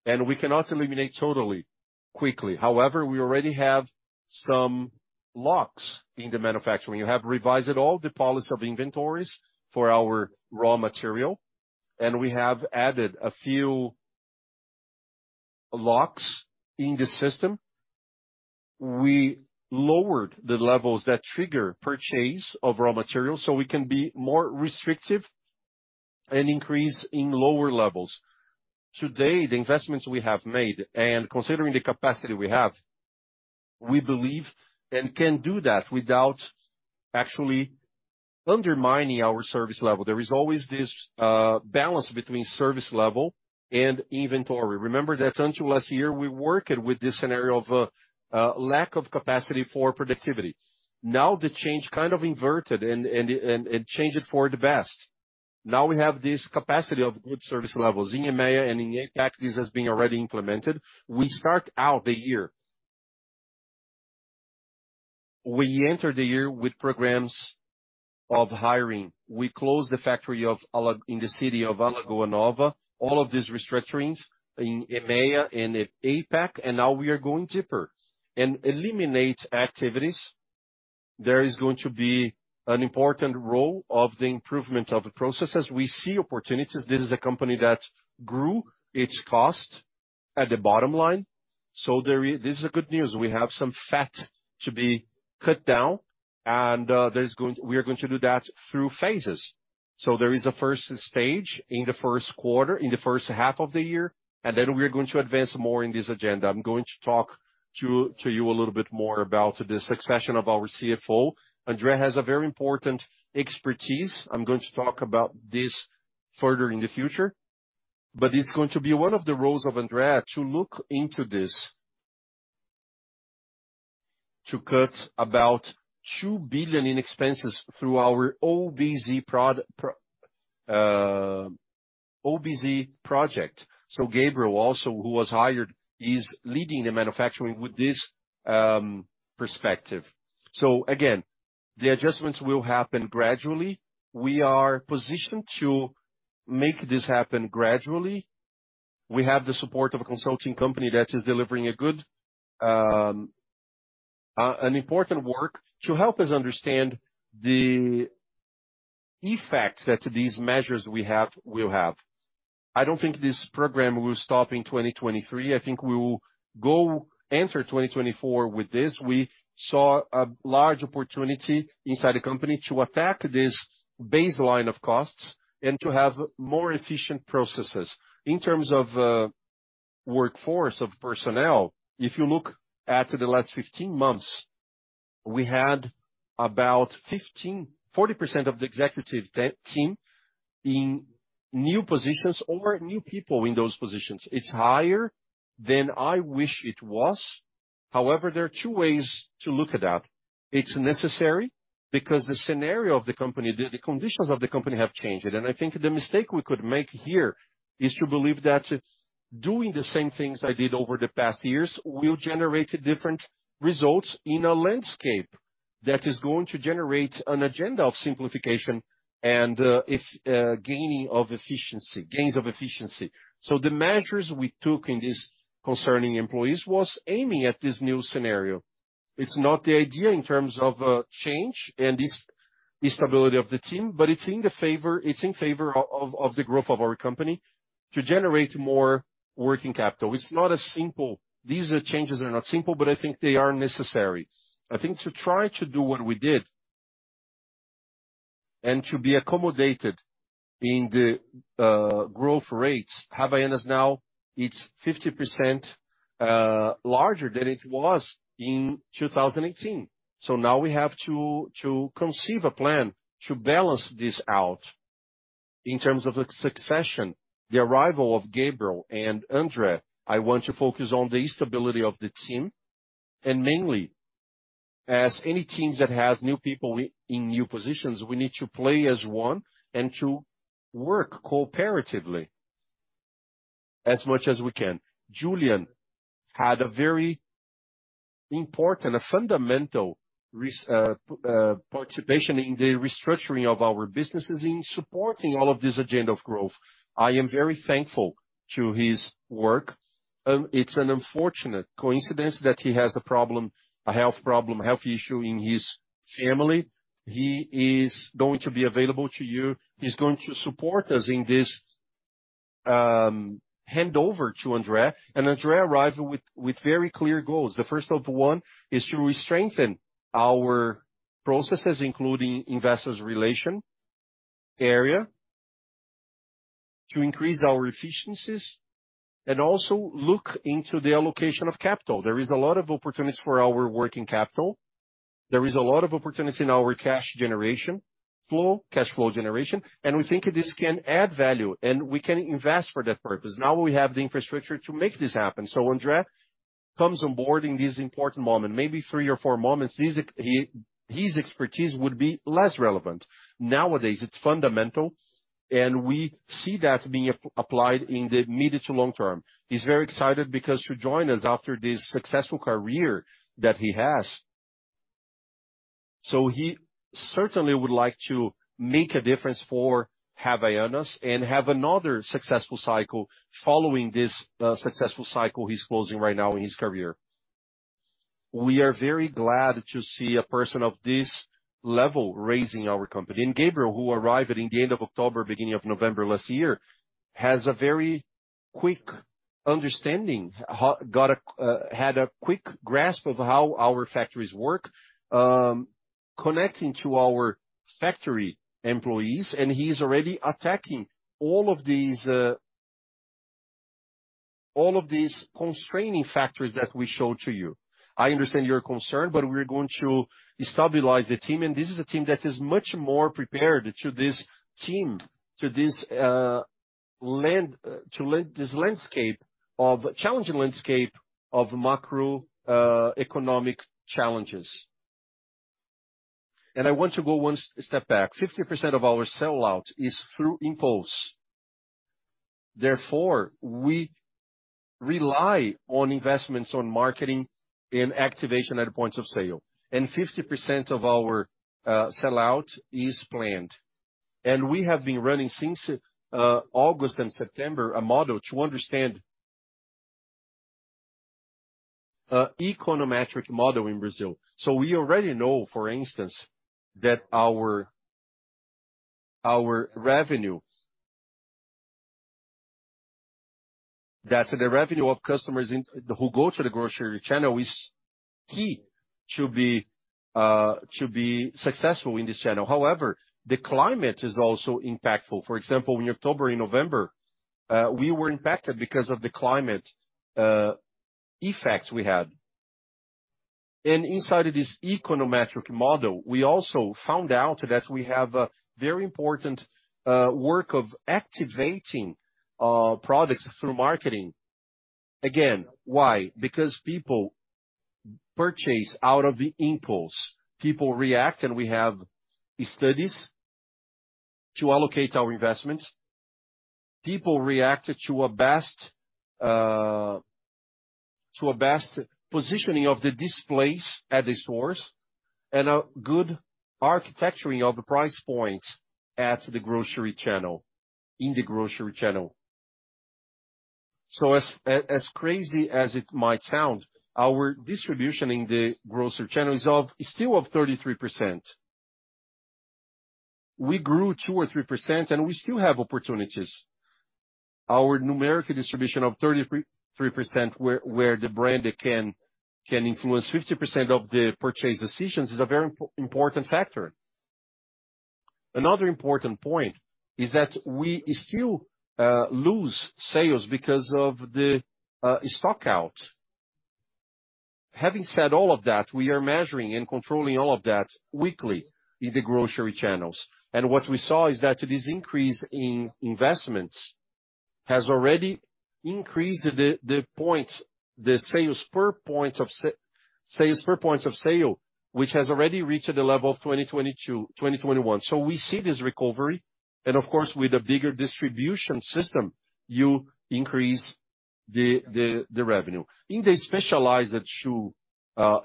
and we cannot eliminate totally quickly. However, we already have some locks in the manufacturing. You have revised all the policy of inventories for our raw material, and we have added a few locks in the system. We lowered the levels that trigger purchase of raw materials. We can be more restrictive and increase in lower levels. Today, the investments we have made, and considering the capacity we have, we believe and can do that without actually undermining our service level. There is always this balance between service level and inventory. Remember that until last year, we worked with this scenario of a lack of capacity for productivity. The change kind of inverted and changed it for the best. We have this capacity of good service levels. In EMEA and in APAC, this has been already implemented. We start out the year. We enter the year with programs of hiring. We closed the factory in the city of Alagoas Nova, all of these restructurings in EMEA and in APAC. Now we are going deeper. In eliminate activities, there is going to be an important role of the improvement of the processes. We see opportunities. This is a company that grew its cost at the bottom line. There this is a good news. We have some fat to be cut down and we are going to do that through phases. There is a first stage in the first quarter, in the first half of the year, and then we're going to advance more in this agenda. I'm going to talk to you a little bit more about the succession of our CFO. André has a very important expertise. I'm going to talk about this further in the future, it's going to be one of the roles of André to look into this, to cut about 2 billion in expenses through our OBZ project. Gabriel also, who was hired, is leading the manufacturing with this perspective. Again, the adjustments will happen gradually. We are positioned to make this happen gradually. We have the support of a consulting company that is delivering a good, an important work to help us understand the effects that these measures we have will have. I don't think this program will stop in 2023. I think we will go enter 2024 with this. We saw a large opportunity inside the company to attack this baseline of costs and to have more efficient processes. In terms of workforce, of personnel, if you look at the last 15 months, we had about 40% of the executive team in new positions or new people in those positions. It's higher than I wish it was. However, there are two ways to look at that. It's necessary because the scenario of the company, the conditions of the company have changed. I think the mistake we could make here is to believe that doing the same things I did over the past years will generate different results in a landscape that is going to generate an agenda of simplification and gains of efficiency. The measures we took in this concerning employees was aiming at this new scenario. It's not the idea in terms of change and is stability of the team, but it's in favor of the growth of our company to generate more working capital. It's not as simple. These changes are not simple, but I think they are necessary. I think to try to do what we did and to be accommodated in the growth rates, Havaianas now it's 50% larger than it was in 2018. Now we have to conceive a plan to balance this out. In terms of succession, the arrival of Gabriel and André, I want to focus on the stability of the team. Mainly, as any teams that has new people in new positions, we need to play as one and to work cooperatively as much as we can. Juliano had a very important, a fundamental participation in the restructuring of our businesses in supporting all of this agenda of growth. I am very thankful to his work. It's an unfortunate coincidence that he has a health issue in his family. He is going to be available to you. He's going to support us in this handover to André. André arrive with very clear goals. The first of one is to restrengthen our processes, including investors relation area, to increase our efficiencies and also look into the allocation of capital. There is a lot of opportunities for our working capital. There is a lot of opportunities in our cash flow generation. We think this can add value, and we can invest for that purpose. Now we have the infrastructure to make this happen. André comes on board in this important moment. Maybe 3 or 4 moments, his expertise would be less relevant. Nowadays, it's fundamental, and we see that being applied in the immediate to long term. He's very excited because to join us after this successful career that he has. He certainly would like to make a difference for Havaianas and have another successful cycle following this successful cycle he's closing right now in his career. We are very glad to see a person of this level raising our company. Gabriel, who arrived at in the end of October, beginning of November last year, has a very quick understanding got a had a quick grasp of how our factories work, connecting to our factory employees, and he's already attacking all of these constraining factors that we showed to you. I understand your concern, but we're going to stabilize the team, and this is a team that is much more prepared to this team, to this land, to land this challenging landscape of macro economic challenges. I want to go one step back. 50% of our sellout is through impulse. Therefore, we rely on investments on marketing and activation at points of sale. 50% of our sellout is planned. We have been running since August and September a model to understand econometric model in Brazil. We already know, for instance, that the revenue of customers who go to the grocery channel is key to be successful in this channel. However, the climate is also impactful. For example, in October and November, we were impacted because of the climate effects we had. Inside of this econometric model, we also found out that we have a very important work of activating products through marketing. Again, why? Because people purchase out of the impulse. People react, and we have studies to allocate our investments. People reacted To a best positioning of the displays at the stores and a good architecturing of the price points at the grocery channel, in the grocery channel. As crazy as it might sound, our distribution in the grocery channel is still of 33%. We grew 2% or 3%, and we still have opportunities. Our numerical distribution of 33% where the brand can influence 50% of the purchase decisions is a very important factor. Another important point is that we still lose sales because of the stock out. Having said all of that, we are measuring and controlling all of that weekly in the grocery channels. What we saw is that this increase in investments has already increased the points, the sales per points of sale, which has already reached the level of 2021. We see this recovery, and of course, with a bigger distribution system, you increase the revenue. In the specialized shoe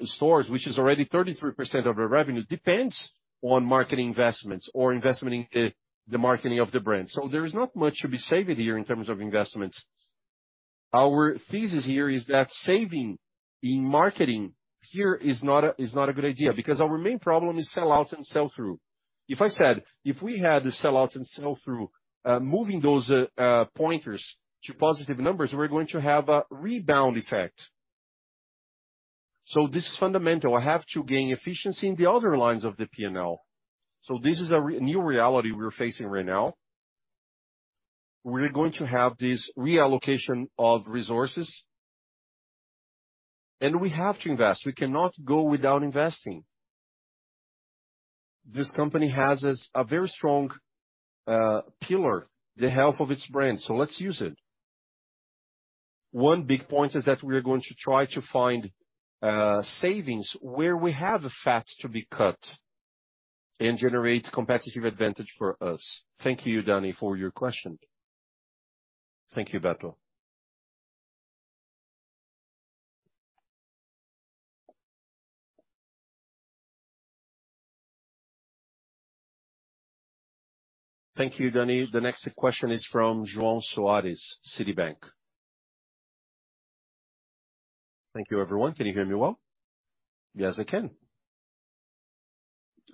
stores, which is already 33% of our revenue, depends on marketing investments or investment in the marketing of the brand. There is not much to be saved here in terms of investments. Our thesis here is that saving in marketing here is not a good idea because our main problem is sell out and sell through. If we had the sell out and sell through moving those pointers to positive numbers, we're going to have a rebound effect. This is fundamental. I have to gain efficiency in the other lines of the P&L. This is a re-new reality we're facing right now. We're going to have this reallocation of resources. We have to invest. We cannot go without investing. This company has as a very strong pillar, the health of its brand, so let's use it. One big point is that we are going to try to find savings where we have the fats to be cut and generate competitive advantage for us. Thank you, Danny, for your question. Thank you, Beto. Thank you, Danny. The next question is from João Soares, Citi. Thank you, everyone. Can you hear me well? Yes, I can.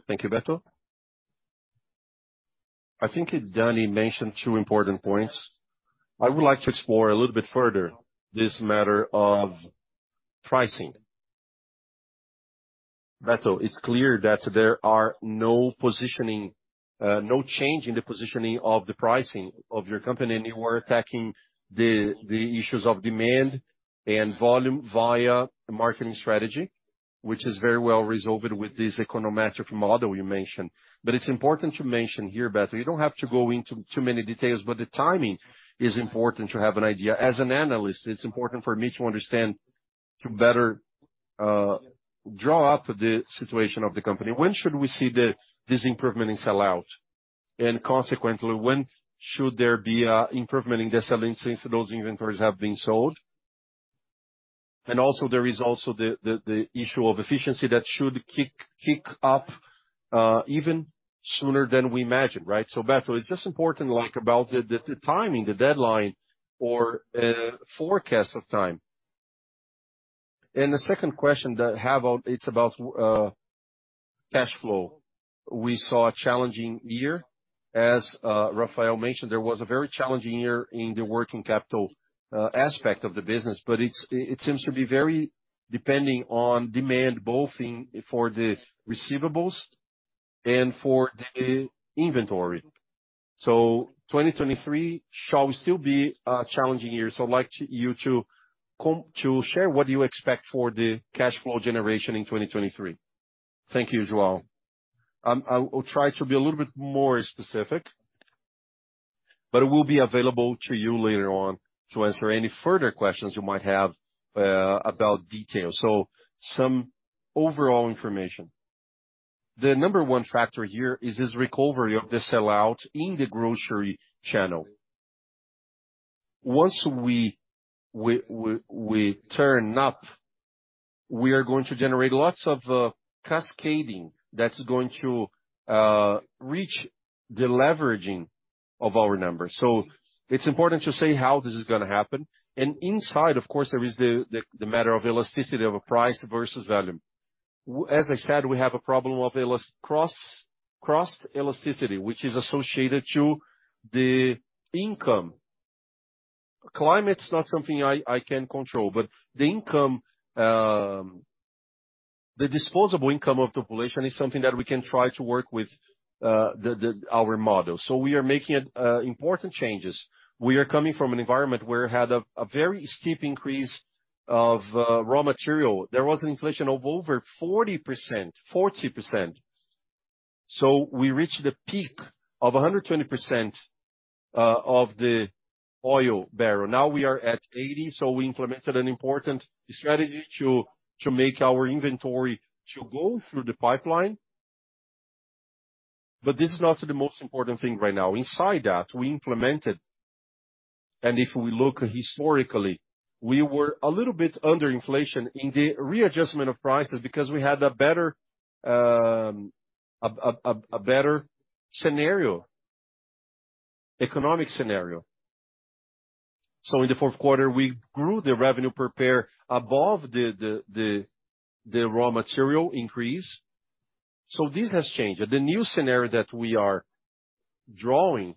Thank you, Beto. I think Danny mentioned two important points. I would like to explore a little bit further this matter of pricing. Beto, it's clear that there are no positioning, no change in the positioning of the pricing of your company, and you are attacking the issues of demand and volume via marketing strategy, which is very well resolved with this econometric model you mentioned. It's important to mention here, Beto, you don't have to go into too many details, but the timing is important to have an idea. As an analyst, it's important for me to understand, to better draw up the situation of the company. When should we see this improvement in sell-out? Consequently, when should there be an improvement in the selling since those inventories have been sold? Also, there is also the issue of efficiency that should kick up even sooner than we imagined, right? Beto, it's just important about the timing, the deadline or forecast of time. The second question that I have, it's about cash flow. We saw a challenging year. As Rafael mentioned, there was a very challenging year in the working capital aspect of the business, but it seems to be very depending on demand, both for the receivables and for the inventory. 2023 shall still be a challenging year. I'd like you to share what you expect for the cash flow generation in 2023. Thank you, João. I'll try to be a little bit more specific. It will be available to you later on to answer any further questions you might have about details. Some overall information. The number 1 factor here is this recovery of the sell-out in the grocery channel. Once we turn up, we are going to generate lots of cascading that's going to reach the leveraging of our numbers. It's important to say how this is gonna happen. Inside, of course, there is the matter of elasticity of a price versus volume. As I said, we have a problem of cross elasticity, which is associated to the income. Climate's not something I can control, but the income, the disposable income of the population is something that we can try to work with the our model. We are making important changes. We are coming from an environment where had a very steep increase of raw material. There was an inflation of over 40%. 40%. We reached the peak of 120% of the oil barrel. Now we are at 80, we implemented an important strategy to make our inventory to go through the pipeline. This is not the most important thing right now. Inside that, if we look historically, we were a little bit under inflation in the readjustment of prices because we had a better economic scenario. In the fourth quarter, we grew the revenue per pair above the raw material increase. This has changed. The new scenario that we are drawing,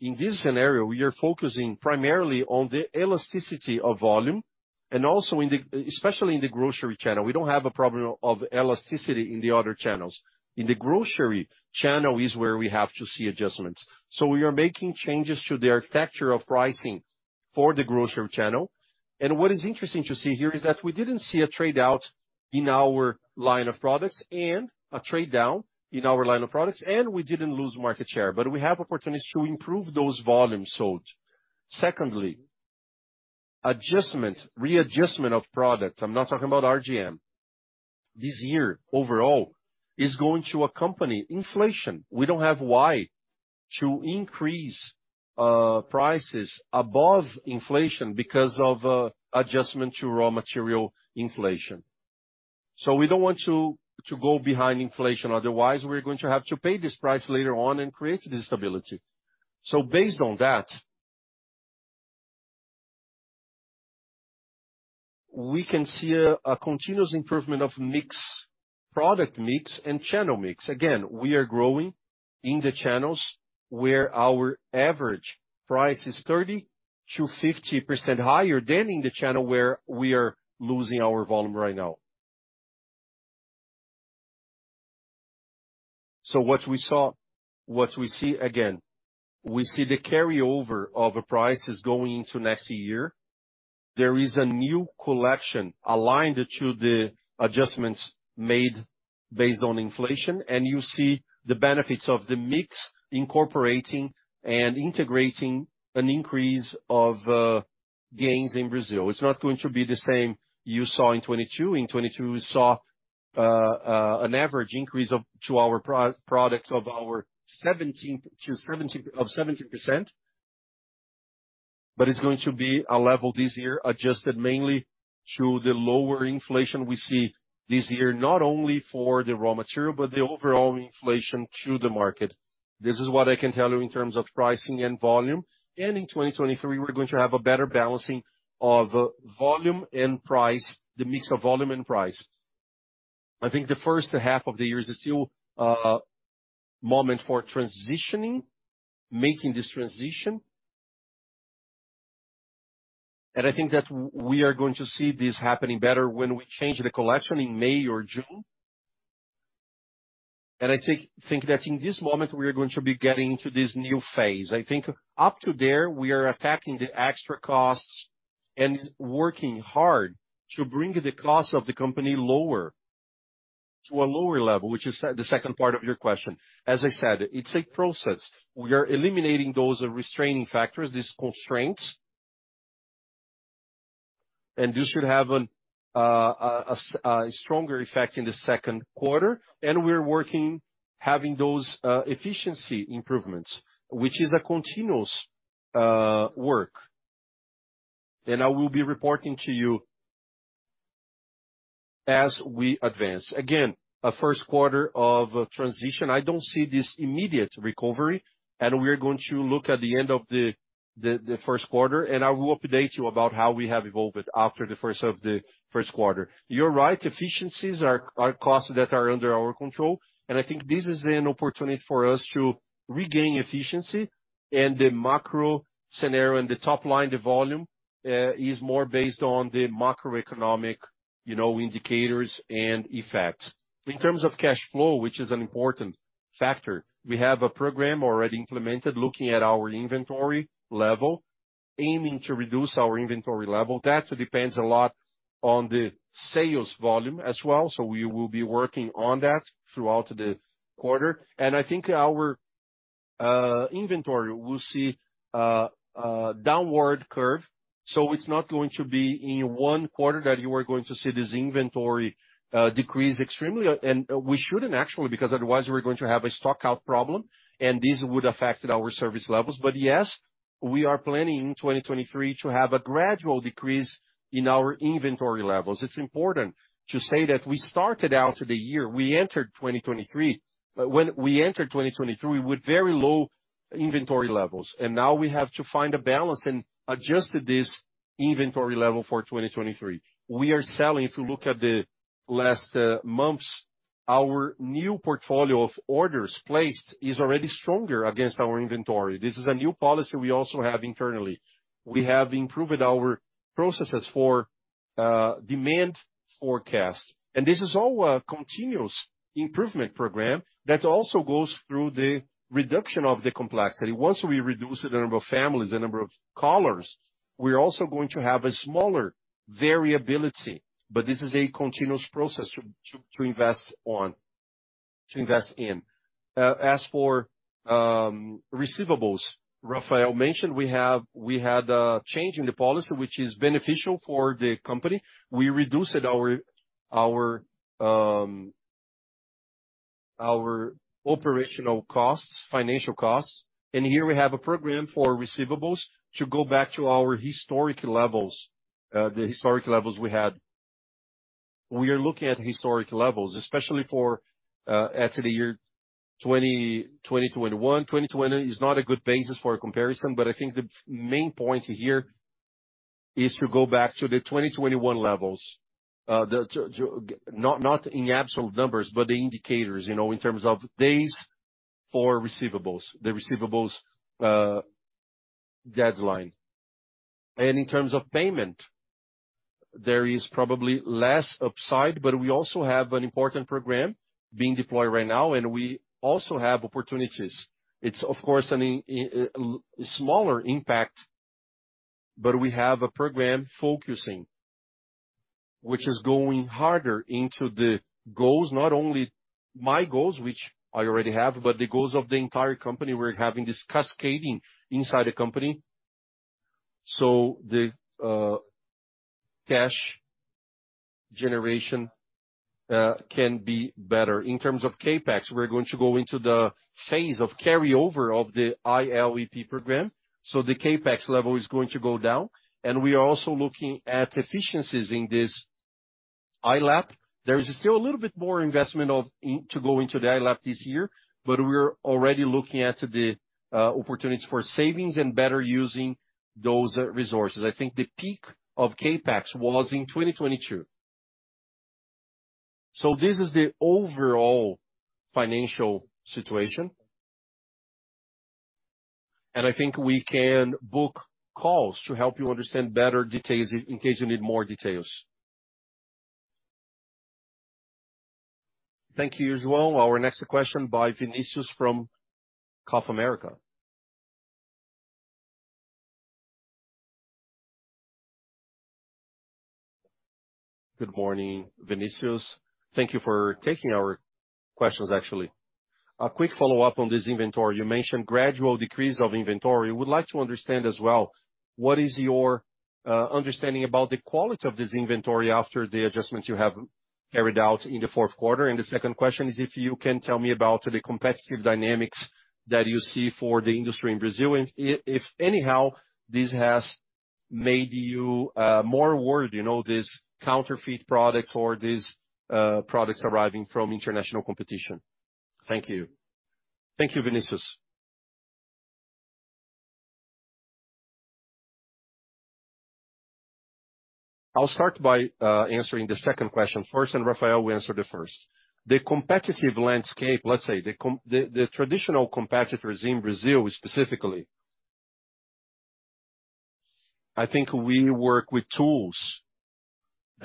in this scenario, we are focusing primarily on the elasticity of volume and also especially in the grocery channel. We don't have a problem of elasticity in the other channels. In the grocery channel is where we have to see adjustments. We are making changes to the architecture of pricing for the grocery channel. What is interesting to see here is that we didn't see a trade out in our line of products and a trade down in our line of products, and we didn't lose market share, but we have opportunities to improve those volumes sold. Secondly, adjustment, readjustment of products, I'm not talking about RGM. This year overall is going to accompany inflation. We don't have why to increase prices above inflation because of adjustment to raw material inflation. We don't want to go behind inflation, otherwise we're going to have to pay this price later on and create instability. Based on that, we can see a continuous improvement of mix, product mix and channel mix. Again, we are growing in the channels where our average price is 30%-50% higher than in the channel where we are losing our volume right now. What we see, again, we see the carryover of prices going into next year. There is a new collection aligned to the adjustments made based on inflation, and you see the benefits of the mix incorporating and integrating an increase of gains in Brazil. It's not going to be the same you saw in 2022. In 2022, we saw an average increase to our products of 17%. It's going to be a level this year adjusted mainly to the lower inflation we see this year, not only for the raw material, but the overall inflation to the market. This is what I can tell you in terms of pricing and volume. In 2023, we're going to have a better balancing of volume and price, the mix of volume and price. I think the first half of the year is still a moment for transitioning, making this transition. I think that we are going to see this happening better when we change the collection in May or June. I think that in this moment, we are going to be getting into this new phase. I think up to there, we are attacking the extra costs and working hard to bring the cost of the company lower, to a lower level, which is the second part of your question. As I said, it's a process. We are eliminating those restraining factors, these constraints. This should have a stronger effect in the second quarter. We're working, having those efficiency improvements, which is a continuous work. I will be reporting to you as we advance. Again, a first quarter of transition. I don't see this immediate recovery, and we are going to look at the end of the first quarter, and I will update you about how we have evolved after the first of the first quarter. You're right, efficiencies are costs that are under our control, and I think this is an opportunity for us to regain efficiency and the macro scenario and the top line, the volume, is more based on the macroeconomic, you know, indicators and effects. In terms of cash flow, which is an important factor, we have a program already implemented looking at our inventory level, aiming to reduce our inventory level. That depends a lot on the sales volume as well, so we will be working on that throughout the quarter. I think our inventory will see a downward curve, so it's not going to be in one quarter that you are going to see this inventory decrease extremely. We shouldn't actually, because otherwise we're going to have a stock out problem, and this would affect our service levels. Yes, we are planning in 2023 to have a gradual decrease in our inventory levels. It's important to say that we started out the year, when we entered 2023 with very low inventory levels, and now we have to find a balance and adjust this inventory level for 2023. We are selling, if you look at the last months, our new portfolio of orders placed is already stronger against our inventory. This is a new policy we also have internally. We have improved our processes for demand forecast. This is all a continuous improvement program that also goes through the reduction of the complexity. Once we reduce the number of families, the number of colors, we're also going to have a smaller variability. This is a continuous process to invest on, to invest in. As for receivables. Rafael mentioned we had a change in the policy, which is beneficial for the company. We reduced our operational costs, financial costs. Here we have a program for receivables to go back to our historic levels, the historic levels we had. We are looking at historic levels, especially for at the year 2021. 2020 is not a good basis for a comparison, but I think the main point here is to go back to the 2021 levels. Not in absolute numbers, but the indicators, you know, in terms of days for receivables, the receivables deadline. In terms of payment, there is probably less upside. We also have an important program being deployed right now, and we also have opportunities. It's of course, a smaller impact, but we have a program focusing, which is going harder into the goals. Not only my goals, which I already have, but the goals of the entire company. We're having this cascading inside the company so the cash generation can be better. In terms of CapEx, we're going to go into the phase of carryover of the ILEP program. The CapEx level is going to go down, and we are also looking at efficiencies in this ILEP. There is still a little bit more investment to go into the ILEP this year, but we're already looking at the opportunities for savings and better using those resources. I think the peak of CapEx was in 2022. This is the overall financial situation. I think we can book calls to help you understand better details in case you need more details. Thank you, João. Our next question by Vinicius from Bank of America. Good morning, Vinicius. Thank you for taking our questions, actually. A quick follow-up on this inventory. You mentioned gradual decrease of inventory. We would like to understand as well, what is your understanding about the quality of this inventory after the adjustments you have carried out in the fourth quarter? The second question is if you can tell me about the competitive dynamics that you see for the industry in Brazil. If anyhow this has made you more worried, you know, these counterfeit products or these products arriving from international competition. Thank you. Thank you, Vinicius. I'll start by answering the second question first, and Rafael will answer the first. The competitive landscape, let's say, the traditional competitors in Brazil specifically. I think we work with tools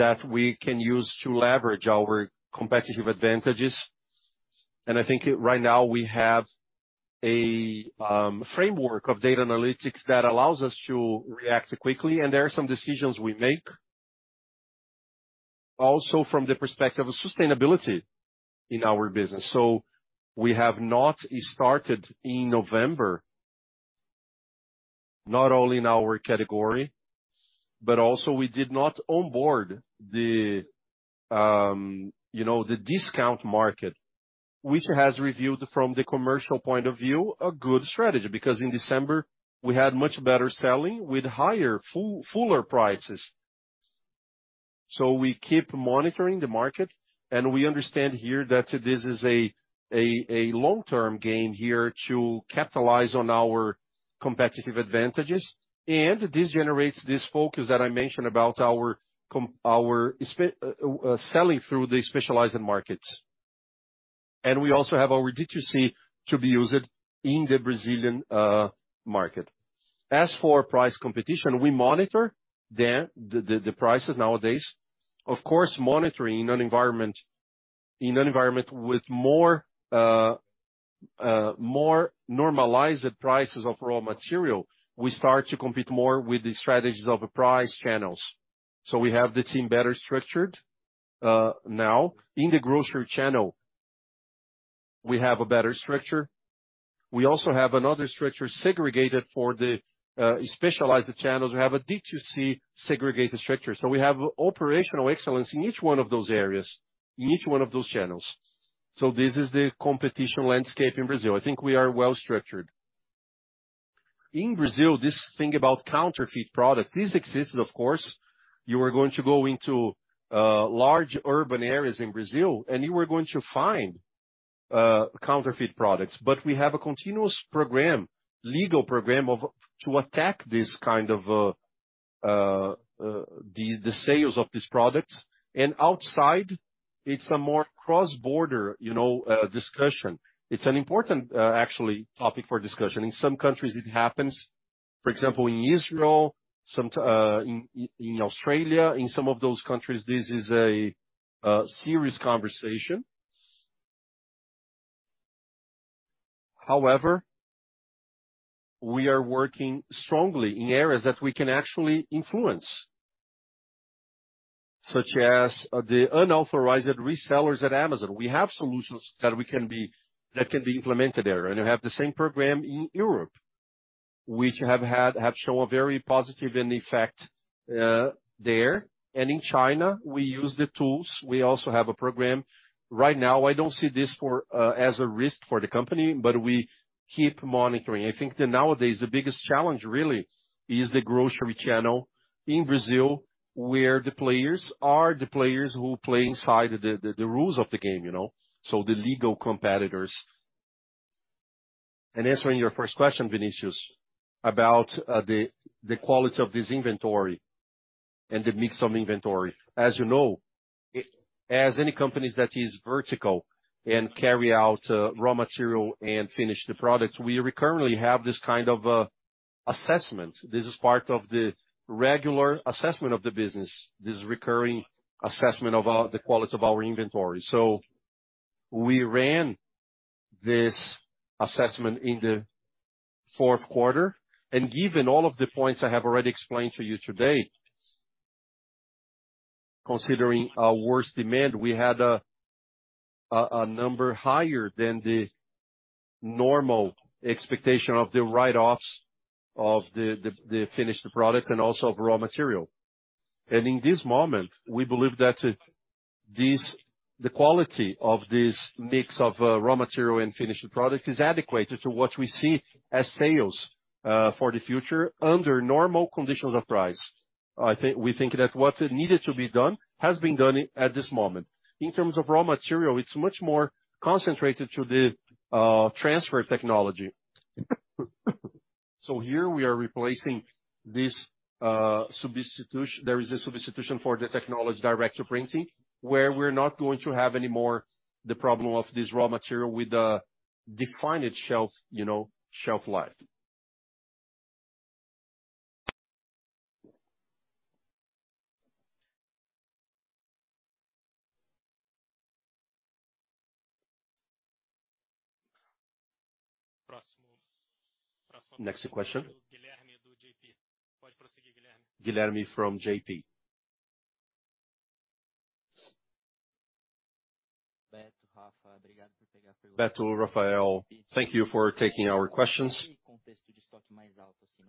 that we can use to leverage our competitive advantages. I think right now we have a framework of data analytics that allows us to react quickly, and there are some decisions we make also from the perspective of sustainability in our business. We have not started in November, not only in our category, but also we did not onboard the, you know, the discount market, which has revealed from the commercial point of view a good strategy. In December, we had much better selling with higher, fuller prices. We keep monitoring the market, and we understand here that this is a long-term gain here to capitalize on our competitive advantages. This generates this focus that I mentioned about our specialized markets. We also have our D2C to be used in the Brazilian market. As for price competition, we monitor the prices nowadays. Of course, monitoring in an environment with more normalized prices of raw material, we start to compete more with the strategies of price channels. We have the team better structured now. In the grocery channel, we have a better structure. We also have another structure segregated for the specialized channels. We have a D2C segregated structure. We have operational excellence in each one of those areas, in each one of those channels. This is the competition landscape in Brazil. I think we are well structured. In Brazil, this thing about counterfeit products, this existed, of course. You are going to go into large urban areas in Brazil, and you are going to find counterfeit products. We have a continuous program, legal program to attack this kind of the sales of these products. Outside, it's a more cross-border, you know, discussion. It's an important, actually, topic for discussion. In some countries it happens. For example, in Israel, in Australia, in some of those countries, this is a serious conversation. We are working strongly in areas that we can actually influence. Such as the unauthorized resellers at Amazon. We have solutions that can be implemented there. We have the same program in Europe, which have shown a very positive in effect there. In China, we use the tools. We also have a program. Right now, I don't see this for as a risk for the company. We keep monitoring. I think that nowadays the biggest challenge really is the grocery channel in Brazil, where the players are the players who play inside the rules of the game, you know. The legal competitors. Answering your first question, Vinicius, about the quality of this inventory and the mix of inventory. As you know, as any companies that is vertical and carry out raw material and finish the product, we recurrently have this kind of assessment. This is part of the regular assessment of the business, this recurring assessment of the quality of our inventory. We ran this assessment in the fourth quarter. Given all of the points I have already explained to you today, considering our worst demand, we had a number higher than the normal expectation of the write-offs of the finished products and also of raw material. In this moment, we believe that the quality of this mix of raw material and finished product is adequate to what we see as sales for the future under normal conditions of price. We think that what needed to be done has been done at this moment. In terms of raw material, it's much more concentrated to the transfer technology. Here we are replacing this, there is a substitution for the technology direct to printing, where we're not going to have any more the problem of this raw material with a defined shelf, you know, shelf life. Next question. Next question. Guilherme from J.P. Morgan. Beto, Rafael, thank you for taking our questions.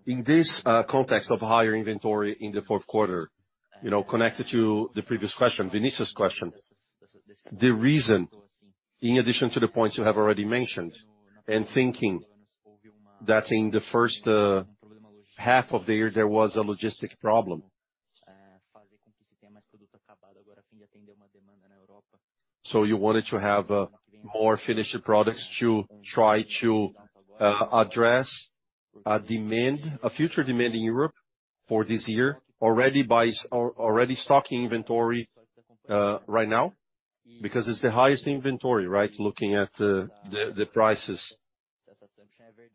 In this context of higher inventory in the fourth quarter, you know, connected to the previous question, Vinicius' question, the reason, in addition to the points you have already mentioned, and thinking that in the first half of the year there was a logistics problem. You wanted to have more finished products to try to address a future demand in Europe for this year, already stocking inventory right now, because it's the highest inventory, right? Looking at the prices,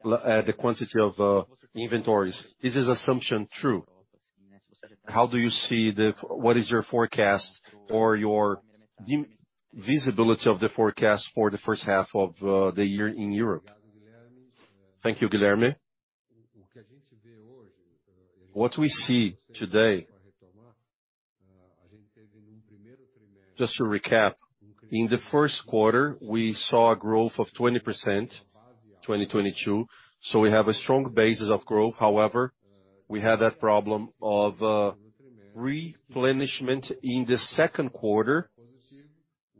the quantity of inventories. Is this assumption true? How do you see .what is your forecast or your visibility of the forecast for the first half of the year in Europe? Thank you, Guilherme. What we see today. Just to recap, in the first quarter, we saw a growth of 20%, 2022, we have a strong basis of growth. However, we had that problem of replenishment in the second quarter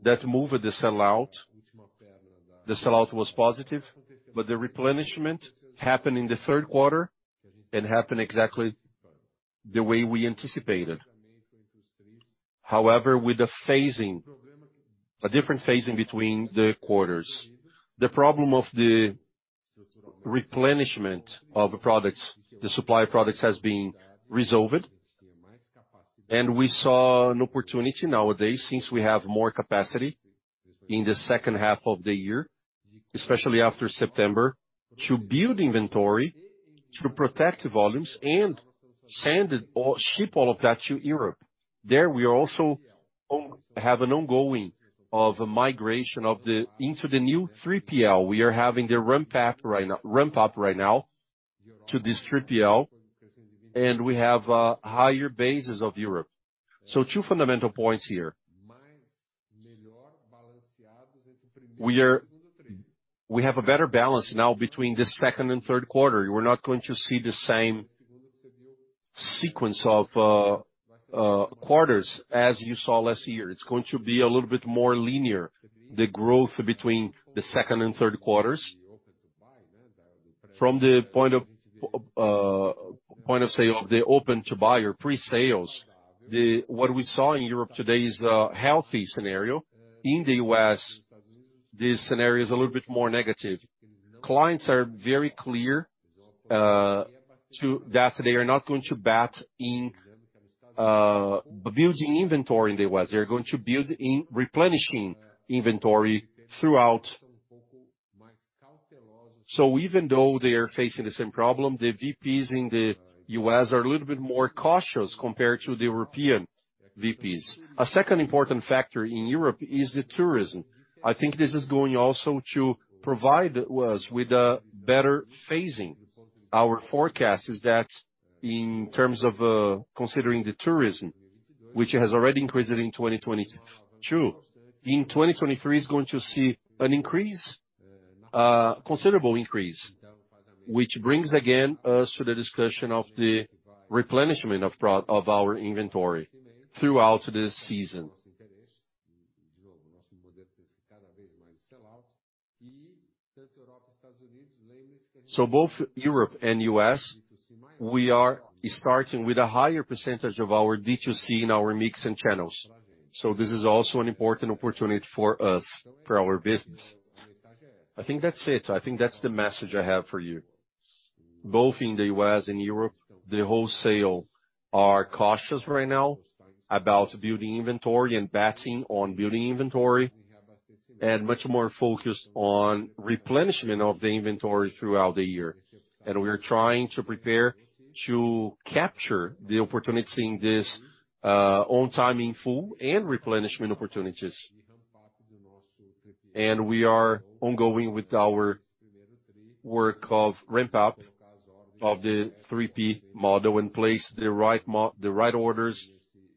that moved the sellout. The sellout was positive, the replenishment happened in the third quarter and happened exactly the way we anticipated. However, with a phasing, a different phasing between the quarters. The problem of the replenishment of products, the supply of products has been resolved. We saw an opportunity nowadays, since we have more capacity in the second half of the year, especially after September, to build inventory, to protect volumes and ship all of that to Europe. There we are also have an ongoing of a migration into the new 3PL. We are having the ramp up right now to this 3PL, and we have higher bases of Europe. Two fundamental points here. We have a better balance now between the second and third quarter. You are not going to see the same sequence of quarters as you saw last year. It's going to be a little bit more linear, the growth between the second and third quarters. From the point of sale of the open-to-buy or pre-sales, what we saw in Europe today is a healthy scenario. In the U.S., this scenario is a little bit more negative. Clients are very clear to that they are not going to bet in building inventory in the U.S. They're going to build in replenishing inventory throughout. Even though they are facing the same problem, the VPs in the US are a little bit more cautious compared to the European VPs. A second important factor in Europe is the tourism. I think this is going also to provide us with a better phasing. Our forecast is that in terms of considering the tourism, which has already increased it in 2022, in 2023 is going to see an increase, considerable increase, which brings again us to the discussion of the replenishment of our inventory throughout the season. Both Europe and US, we are starting with a higher percentage of our D2C in our mix and channels. This is also an important opportunity for us, for our business. I think that's it. I think that's the message I have for you. Both in the US and Europe, the wholesale are cautious right now about building inventory and betting on building inventory, and much more focused on replenishment of the inventory throughout the year. We are trying to prepare to capture the opportunity in this on time in full and replenishment opportunities. We are ongoing with our work of ramp up of the 3P model and place the right orders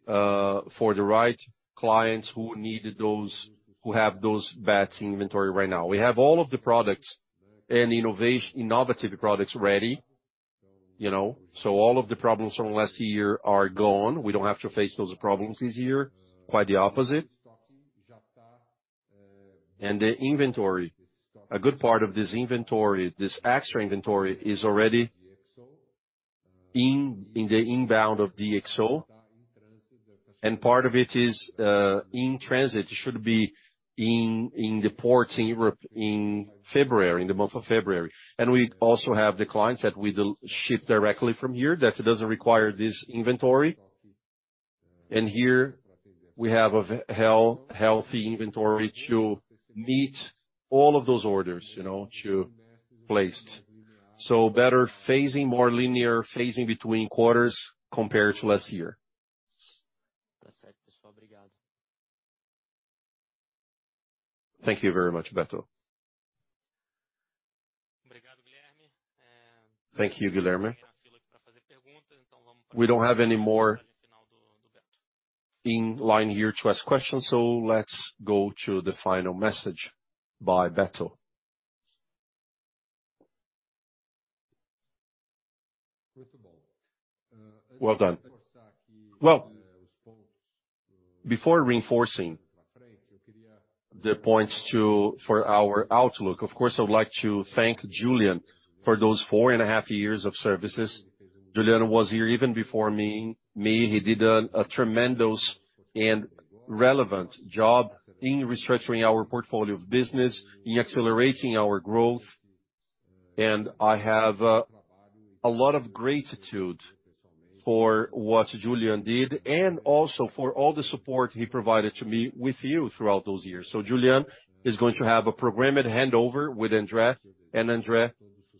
for the right clients who have those bets in inventory right now. We have all of the products and innovative products ready, you know. All of the problems from last year are gone. We don't have to face those problems this year, quite the opposite. The inventory, a good part of this inventory, this extra inventory, is already in the inbound of GXO, and part of it is in transit. It should be in the ports in Europe in February, in the month of February. We also have the clients that we do ship directly from here that it doesn't require this inventory. Here we have a healthy inventory to meet all of those orders, you know, to placed. Better phasing, more linear phasing between quarters compared to last year. Thank you very much, Beto. Thank you, Guilherme. We don't have any more in line here to ask questions, so let's go to the final message by Beto. Well done. Well, before reinforcing the points for our outlook, of course, I would like to thank Juliano for those four and a half years of services. Juliano was here even before me. He did a tremendous and relevant job in restructuring our portfolio of business, in accelerating our growth. I have a lot of gratitude for what Juliano did and also for all the support he provided to me with you throughout those years. Juliano is going to have a programmed handover with André. André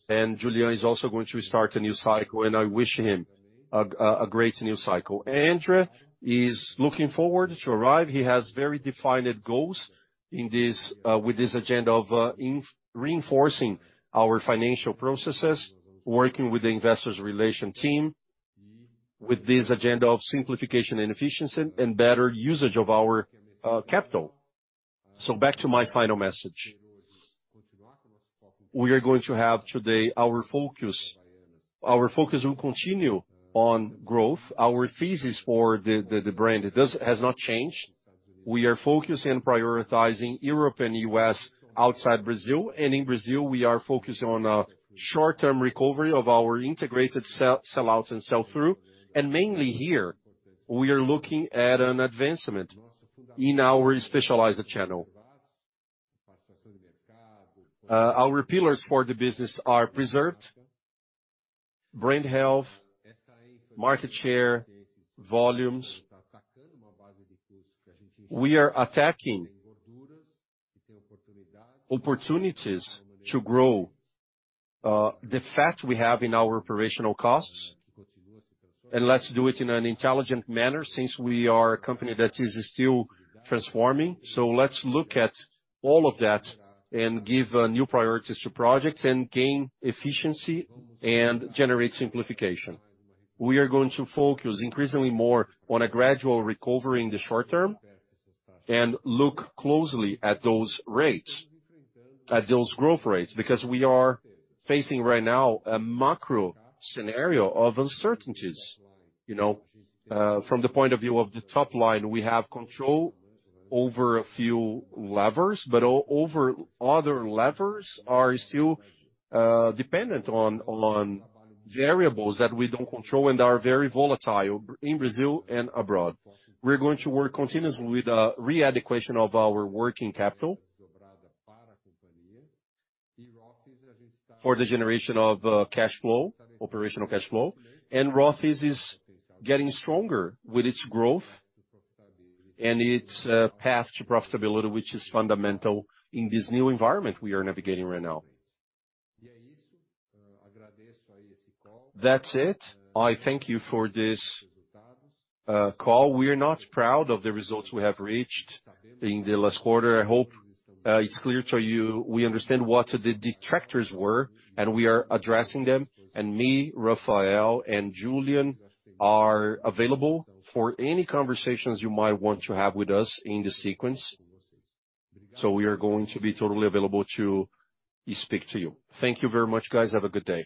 and Juliano is also going to start a new cycle, and I wish him a great new cycle. André is looking forward to arrive. He has very defined goals in this, with this agenda of reinforcing our financial processes, working with the investors relation team, with this agenda of simplification and efficiency and better usage of our capital. Back to my final message. We are going to have today our focus. Our focus will continue on growth. Our thesis for the brand has not changed. We are focused in prioritizing Europe and U.S. outside Brazil. In Brazil, we are focused on a short-term recovery of our integrated sell-out and sell-through. Mainly here, we are looking at an advancement in our specialized channel. Our pillars for the business are preserved: brand health, market share, volumes. We are attacking opportunities to grow the fat we have in our operational costs, and let's do it in an intelligent manner since we are a company that is still transforming. Let's look at all of that and give new priorities to projects and gain efficiency and generate simplification. We are going to focus increasingly more on a gradual recovery in the short term and look closely at those growth rates, because we are facing right now a macro scenario of uncertainties, you know. From the point of view of the top line, we have control over a few levers, but over other levers are still dependent on variables that we don't control and are very volatile in Brazil and abroad. We're going to work continuously with re-adequation of our working capital for the generation of operational cash flow. Rothy's is getting stronger with its growth and its path to profitability, which is fundamental in this new environment we are navigating right now. That's it. I thank you for this call. We are not proud of the results we have reached in the last quarter. I hope it's clear to you we understand what the detractors were, and we are addressing them. Me, Rafael, and Juliano are available for any conversations you might want to have with us in the sequence. We are going to be totally available to speak to you. Thank you very much, guys. Have a good day.